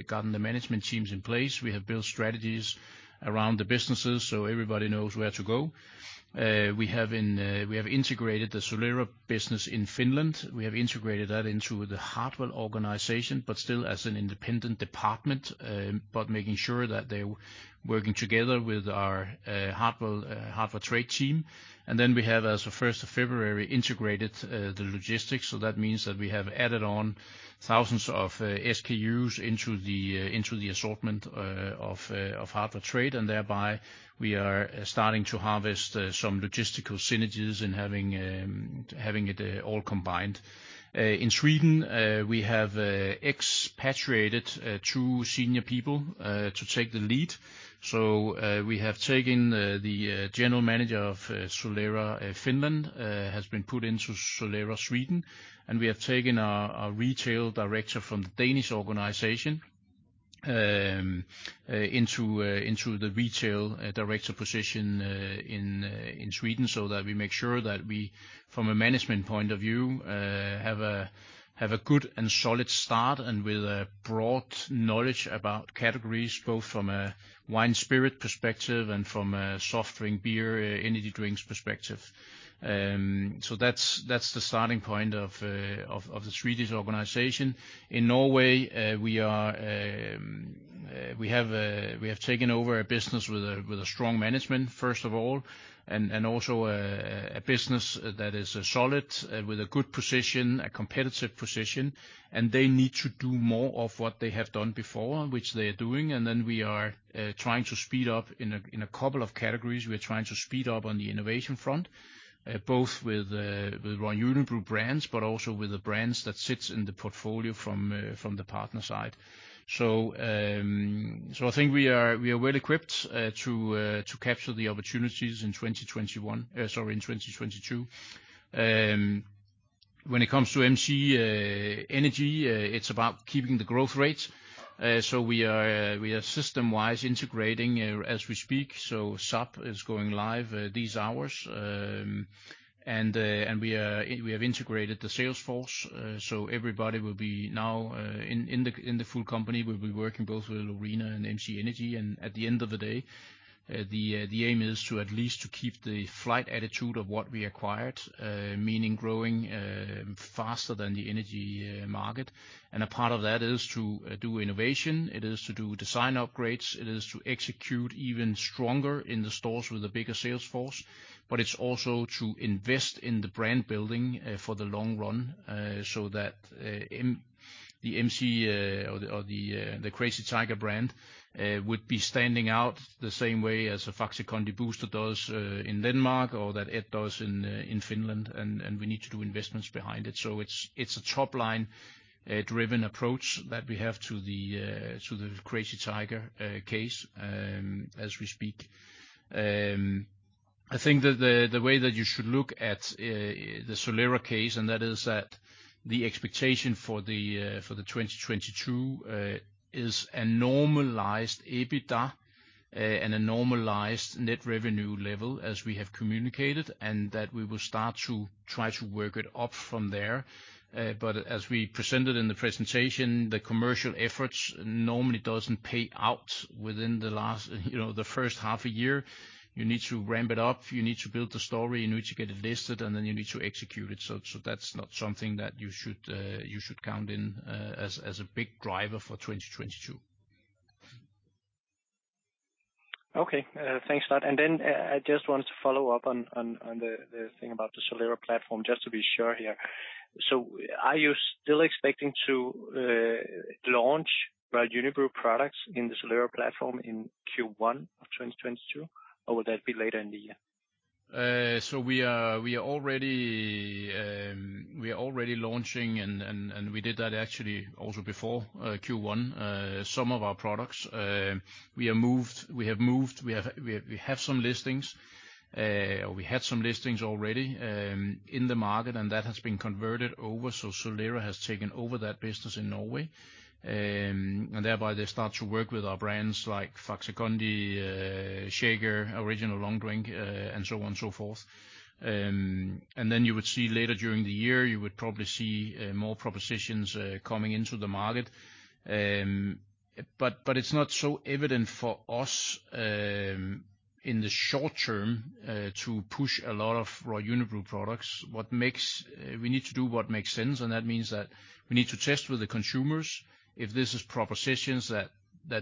gotten the management teams in place. We have built strategies around the businesses, so everybody knows where to go. We have integrated the Solera business in Finland. We have integrated that into the Hartwall organization, but still as an independent department, but making sure that they're working together with our Hartwall trade team. We have, as of first of February, integrated the logistics. That means that we have added on thousands of SKUs into the assortment of Hartwall trade, and thereby we are starting to harvest some logistical synergies in having it all combined. In Sweden, we have expatriated two senior people to take the lead. We have taken the general manager of Solera Finland, has been put into Solera Sweden, and we have taken our retail director from the Danish organization into the retail director position in Sweden, so that we make sure that we, from a management point of view, have a good and solid start and with a broad knowledge about categories, both from a wine spirit perspective and from a soft drink beer energy drinks perspective. That's the starting point of the Swedish organization. In Norway, we have taken over a business with a strong management, first of all, and also a business that is solid with a good position, a competitive position, and they need to do more of what they have done before, which they are doing. We are trying to speed up in a couple of categories. We're trying to speed up on the innovation front, both with Royal Unibrew brands, but also with the brands that sits in the portfolio from the partner side. I think we are well equipped to capture the opportunities in 2021, sorry, in 2022. When it comes to M.C. Energy, it's about keeping the growth rates. We are system-wise integrating as we speak, so SAP is going live these hours. We have integrated the sales force, so everybody will be now in the full company will be working both with Lorina and M.C. Energy. At the end of the day, the aim is to at least keep the growth altitude of what we acquired, meaning growing faster than the energy market. A part of that is to do innovation. It is to do design upgrades. It is to execute even stronger in the stores with a bigger sales force. It's also to invest in the brand building for the long run, so that the Crazy Tiger brand would be standing out the same way as a Faxe Kondi Booster does in Denmark or that it does in Finland, and we need to do investments behind it. It's a top-line driven approach that we have to the Crazy Tiger case as we speak. I think that the way that you should look at the Solera case, and that is that the expectation for the 2022 is a normalized EBITDA and a normalized net revenue level as we have communicated, and that we will start to try to work it up from there. As we presented in the presentation, the commercial efforts normally doesn't pay out within the last, you know, the H1 a year. You need to ramp it up. You need to build the story. You need to get it listed, and then you need to execute it. So that's not something that you should count in as a big driver for 2022. Okay. Thanks a lot. I just wanted to follow up on the thing about the Solera platform, just to be sure here. Are you still expecting to launch Royal Unibrew products in the Solera platform in Q1 of 2022, or will that be later in the year? We are already launching and we did that actually also before Q1. Some of our products we have some listings or we had some listings already in the market and that has been converted over. Solera has taken over that business in Norway and thereby they start to work with our brands like Faxe Kondi, Shaker, Original Long Drink, and so on and so forth. Then you would see later during the year more propositions coming into the market. But it's not so evident for us in the short term to push a lot of Royal Unibrew products. What makes We need to do what makes sense, and that means that we need to test with the consumers if this is propositions that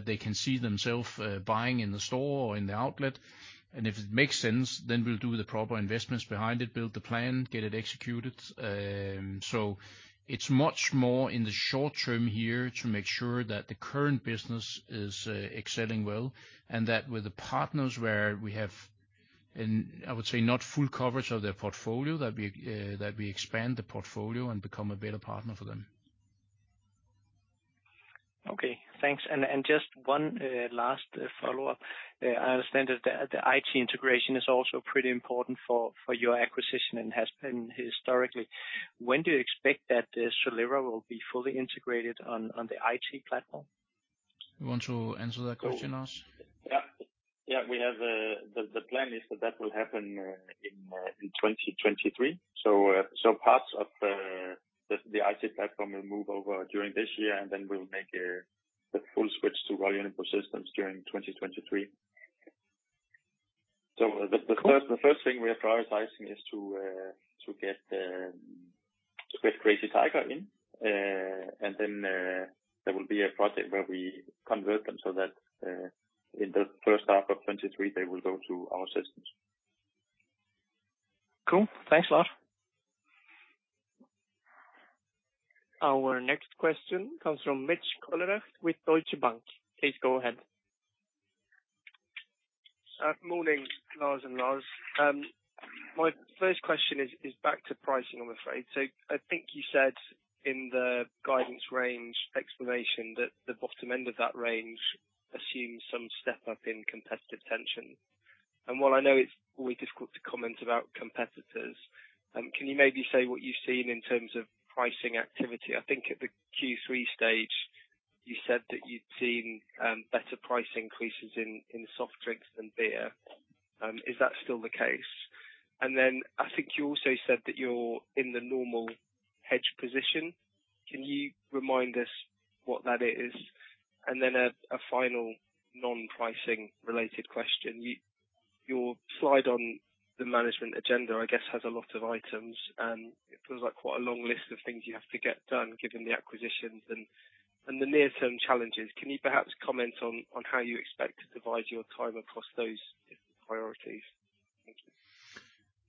they can see themselves buying in the store or in the outlet. If it makes sense, then we'll do the proper investments behind it, build the plan, get it executed. It's much more in the short term here to make sure that the current business is excelling well, and that with the partners where we have I would say not full coverage of their portfolio, that we expand the portfolio and become a better partner for them. Okay, thanks. Just one last follow-up. I understand that the IT integration is also pretty important for your acquisition and has been historically. When do you expect that Solera will be fully integrated on the IT platform? You want to answer that question, Lars? Yeah. Yeah. We have the plan is that that will happen in 2023. Parts of the IT platform will move over during this year, and then we'll make the full switch to Royal Unibrew systems during 2023. The first thing we are prioritizing is to get Crazy Tiger in. Then there will be a project where we convert them so that in the first half of 2023, they will go to our systems. Cool. Thanks a lot. Our next question comes from Mitch Collett with Deutsche Bank. Please go ahead. Morning, Lars and Lars. My first question is back to pricing, I'm afraid. I think you said in the guidance range explanation that the bottom end of that range assumes some step up in competitive tension. While I know it's always difficult to comment about competitors, can you maybe say what you've seen in terms of pricing activity? I think at the Q3 stage you said that you'd seen better price increases in soft drinks than beer. Is that still the case? Then I think you also said that you're in the normal hedge position. Can you remind us what that is? Then a final non-pricing related question. Your Slide on the management agenda, I guess, has a lot of items, and it feels like quite a long list of things you have to get done, given the acquisitions and the near-term challenges. Can you perhaps comment on how you expect to divide your time across those different priorities? Thank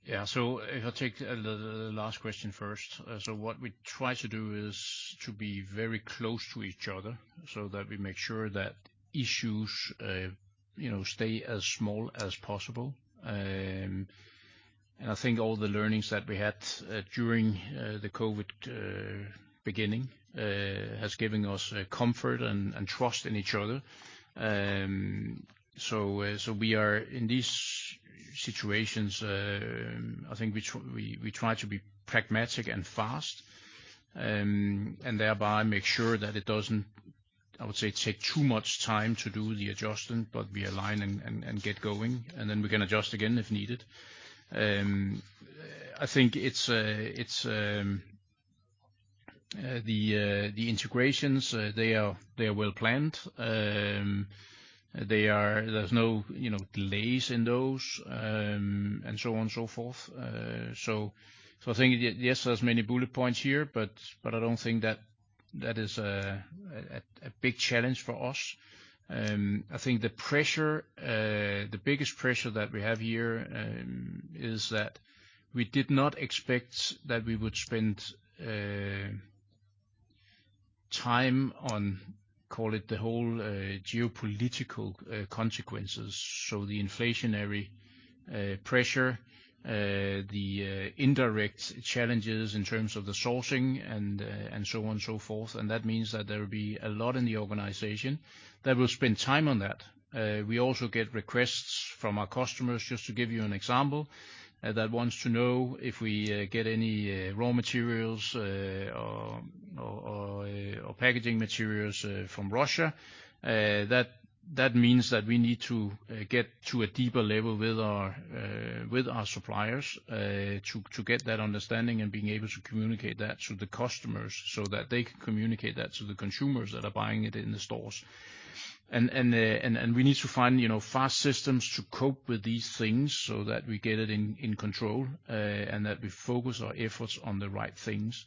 you. If I take the last question first. What we try to do is to be very close to each other so that we make sure that issues, you know, stay as small as possible. I think all the learnings that we had during the COVID beginning has given us comfort and trust in each other. We are in these situations. I think we try to be pragmatic and fast. Thereby make sure that it doesn't, I would say, take too much time to do the adjustment, but we align and get going, and then we can adjust again if needed. I think it's the integrations. They are well planned. They are. There's no, delays in those, and so on and so forth. I think yes, there's many bullet points here, but I don't think that is a big challenge for us. I think the pressure, the biggest pressure that we have here, is that we did not expect that we would spend time on, call it the whole, geopolitical, consequences. The inflationary pressure, the indirect challenges in terms of the sourcing and so on and so forth, and that means that there will be a lot in the organization that will spend time on that. We also get requests from our customers, just to give you an example, that wants to know if we get any raw materials or packaging materials from Russia. That means that we need to get to a deeper level with our suppliers to get that understanding and being able to communicate that to the customers so that they can communicate that to the consumers that are buying it in the stores. We need to find, you know, fast systems to cope with these things so that we get it in control and that we focus our efforts on the right things.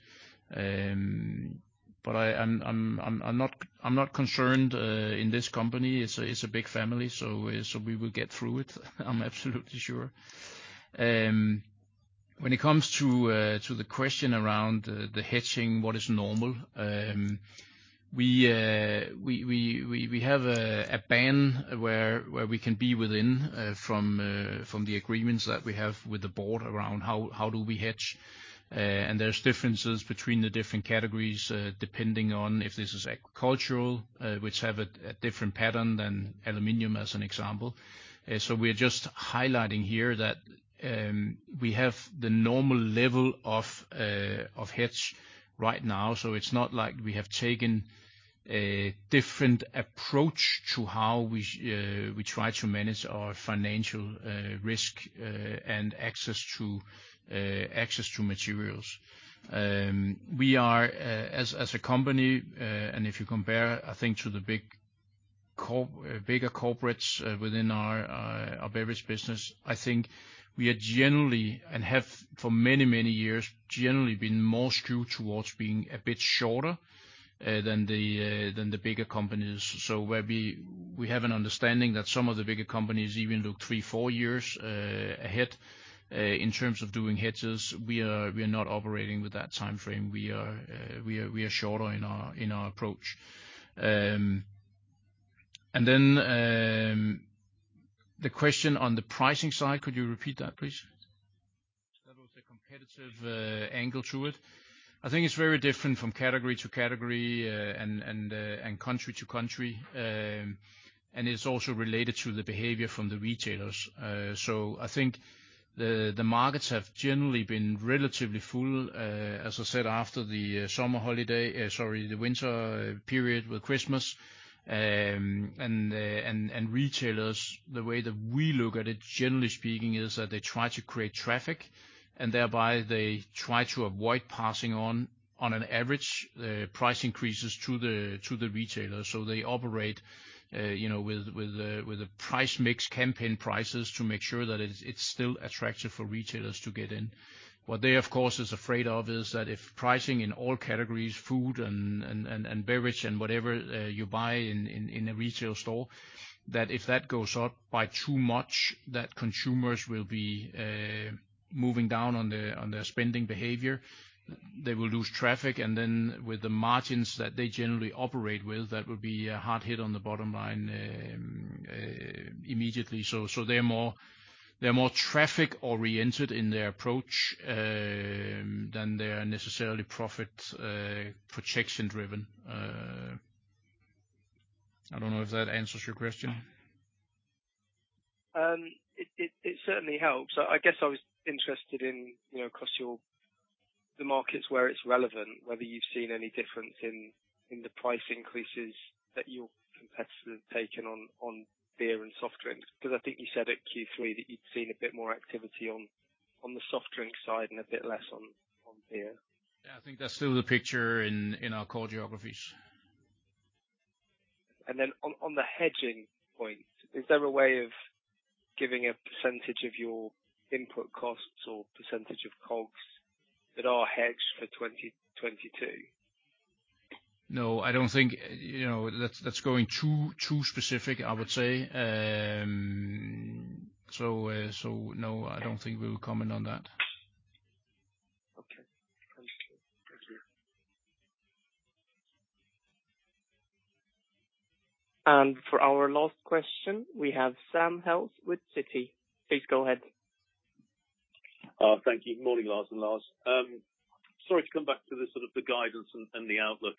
I'm not concerned in this company. It's a big family, so we will get through it. I'm absolutely sure. When it comes to the question around the hedging, what is normal, we have a band where we can be within from the agreements that we have with the board around how do we hedge. There's differences between the different categories, depending on if this is agricultural, which have a different pattern than aluminum, as an example. We're just highlighting here that we have the normal level of hedge right now. It's not like we have taken a different approach to how we try to manage our financial risk and access to materials. We are as a company, and if you compare, I think, to the bigger corporates within our beverage business, I think we are generally, and have for many, many years, generally been more skewed towards being a bit shorter than the bigger companies. Where we have an understanding that some of the bigger companies even look three, four years ahead in terms of doing hedges, we are not operating with that timeframe. We are shorter in our approach. The question on the pricing side, could you repeat that, please? That was a competitive angle to it. I think it's very different from category to category and country to country. It's also related to the behavior from the retailers. I think the markets have generally been relatively full, as I said, after the winter period with Christmas. Retailers, the way that we look at it, generally speaking, is that they try to create traffic, and thereby they try to avoid passing on average, price increases to the retailers. They operate, with the price mix campaign prices to make sure that it's still attractive for retailers to get in. What they, of course, is afraid of is that if pricing in all categories, food and beverage and whatever, you buy in a retail store, that if that goes up by too much, that consumers will be moving down on their spending behavior. They will lose traffic, and then with the margins that they generally operate with, that would be a hard hit on the bottom line immediately. They're more traffic oriented in their approach than they are necessarily profit protection driven. I don't know if that answers your question. It certainly helps. I guess I was interested in, you know, across the markets where it's relevant, whether you've seen any difference in the price increases that your competitors have taken on beer and soft drinks. Because I think you said at Q3 that you'd seen a bit more activity on the soft drink side and a bit less on beer. Yeah. I think that's still the picture in our core geographies. On the hedging point, is there a way of giving a percentage of your input costs or percentage of COGS that are hedged for 2022? No, I don't think. That's going too specific, I would say. No, I don't think we will comment on that. Okay. Understood. Thank you. For our last question, we have Simon Hales with Citi. Please go ahead. Thank you. Morning, Lars and Lars. Sorry to come back to the sort of the guidance and the outlook.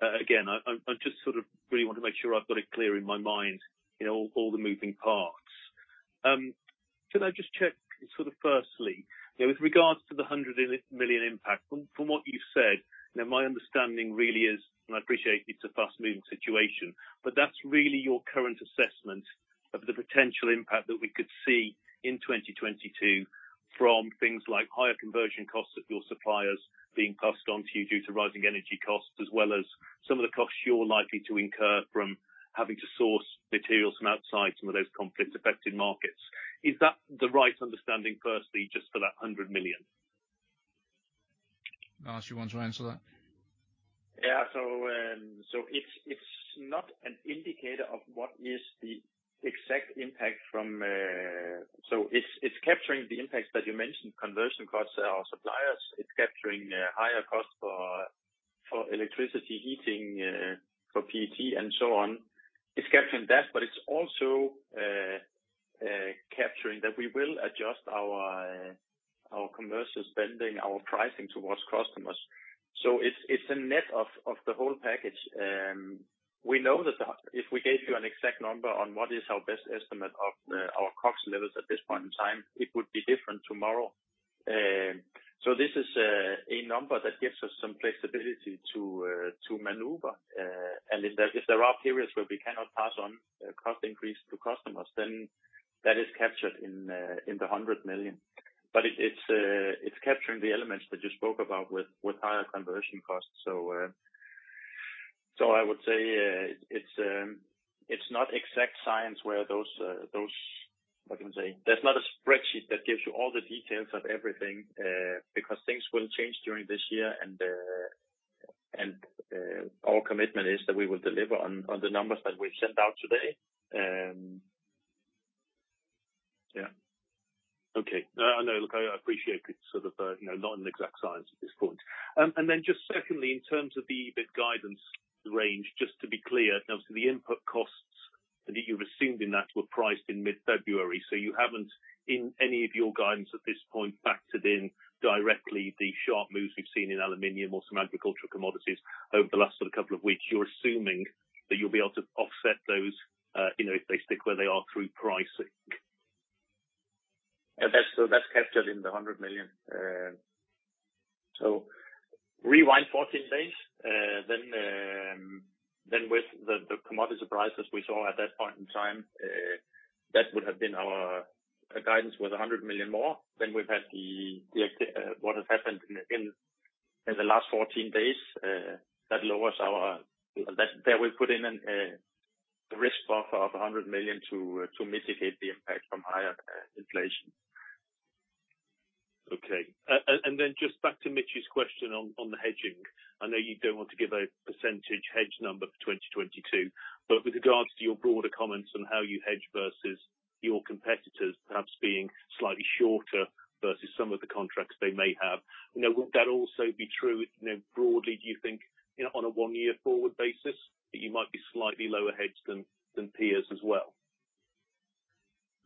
Again, I'm just sort of really want to make sure I've got it clear in my mind, all the moving parts. Can I just check sort of firstly, you know, with regards to the 100 million impact, from what you've said, my understanding really is, and I appreciate it's a fast-moving situation, but that's really your current assessment of the potential impact that we could see in 2022 from things like higher conversion costs of your suppliers being passed on to you due to rising energy costs, as well as some of the costs you're likely to incur from having to source materials from outside some of those conflict-affected markets. Is that the right understanding firstly just for that 100 million? Lars, you want to answer that? Yeah. It's not an indicator of what is the exact impact from. It's capturing the impacts that you mentioned, conversion costs of our suppliers. It's capturing higher costs for electricity, heating, for PET and so on. It's capturing that, but it's also capturing that we will adjust our commercial spending, our pricing towards customers. It's a net of the whole package. We know that if we gave you an exact number on what is our best estimate of our COGS levels at this point in time, it would be different tomorrow. This is a number that gives us some flexibility to maneuver. If there are periods where we cannot pass on a cost increase to customers, then that is captured in 100 million. It's capturing the elements that you spoke about with higher conversion costs. I would say it's not exact science where those. What can I say? There's not a spreadsheet that gives you all the details of everything, because things will change during this year. Our commitment is that we will deliver on the numbers that we've sent out today. Okay. No, I know. Look, I appreciate it's sort of, you know, not an exact science at this point. Then just secondly, in terms of the guidance range, just to be clear, so the input costs that you've assumed in that were priced in mid-February, so you haven't in any of your guidance at this point factored in directly the sharp moves we've seen in aluminum or some agricultural commodities over the last sort of couple of weeks. You're assuming that you'll be able to offset those, you know, if they stick where they are through pricing. Yeah. That's captured in the 100 million. Rewind 14 days, then with the commodity prices we saw at that point in time, that would have been our guidance with 100 million more than we've had. What has happened in the last 14 days that lowers our. That will put in a risk buffer of 100 million to mitigate the impact from higher inflation. Okay. Then just back to Mitch's question on the hedging. I know you don't want to give a percentage hedge number for 2022, but with regards to your broader comments on how you hedge versus your competitors perhaps being slightly shorter versus some of the contracts they may have, would that also be true, you know, broadly, do you think, you know, on a one-year forward basis that you might be slightly lower hedged than peers as well?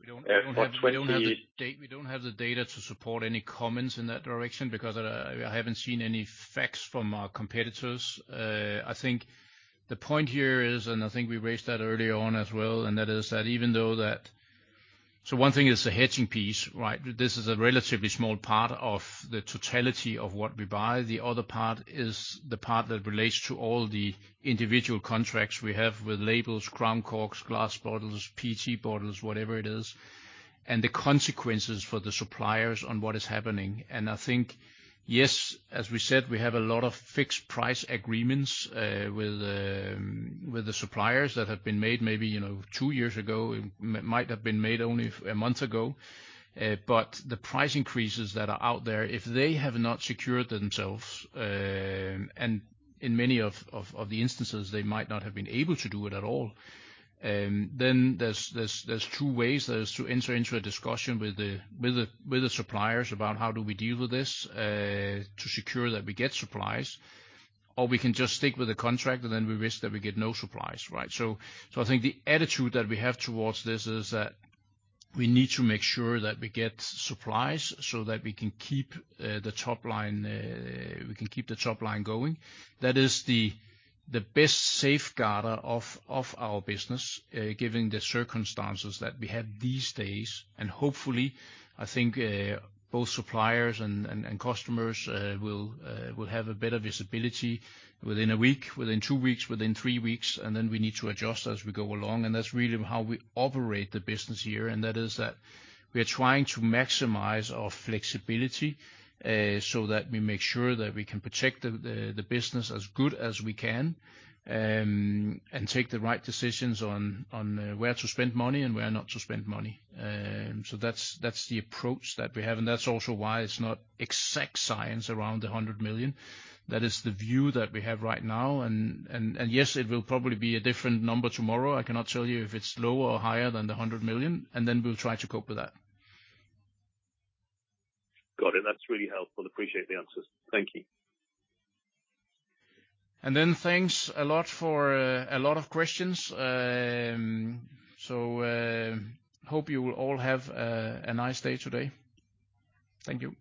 We don't have the- For 20- We don't have the data to support any comments in that direction because I haven't seen any facts from our competitors. I think the point here is, I think we raised that earlier on as well, and that is that even though that one thing is the hedging piece, right? This is a relatively small part of the totality of what we buy. The other part is the part that relates to all the individual contracts we have with labels, crown corks, glass bottles, PET bottles, whatever it is, and the consequences for the suppliers on what is happening. I think, yes, as we said, we have a lot of fixed price agreements with the suppliers that have been made maybe, you know, two years ago, it might have been made only a month ago. The price increases that are out there, if they have not secured themselves, and in many of the instances, they might not have been able to do it at all, then there's two ways. There's to enter into a discussion with the suppliers about how do we deal with this, to secure that we get supplies, or we can just stick with the contract, and then we risk that we get no supplies, right? I think the attitude that we have towards this is that we need to make sure that we get supplies so that we can keep the top line, we can keep the top line going. That is the best safeguard of our business, given the circumstances that we have these days. Hopefully, I think, both suppliers and customers will have a better visibility within a week, within two weeks, within three weeks, and then we need to adjust as we go along. That's really how we operate the business here, and that is that we are trying to maximize our flexibility, so that we make sure that we can protect the business as good as we can, and take the right decisions on where to spend money and where not to spend money. So that's the approach that we have, and that's also why it's not exact science around 100 million. That is the view that we have right now. Yes, it will probably be a different number tomorrow. I cannot tell you if it's lower or higher than the 100 million, and then we'll try to cope with that. Got it. That's really helpful. Appreciate the answers. Thank you. Thanks a lot for a lot of questions. I hope you will all have a nice day today. Thank you.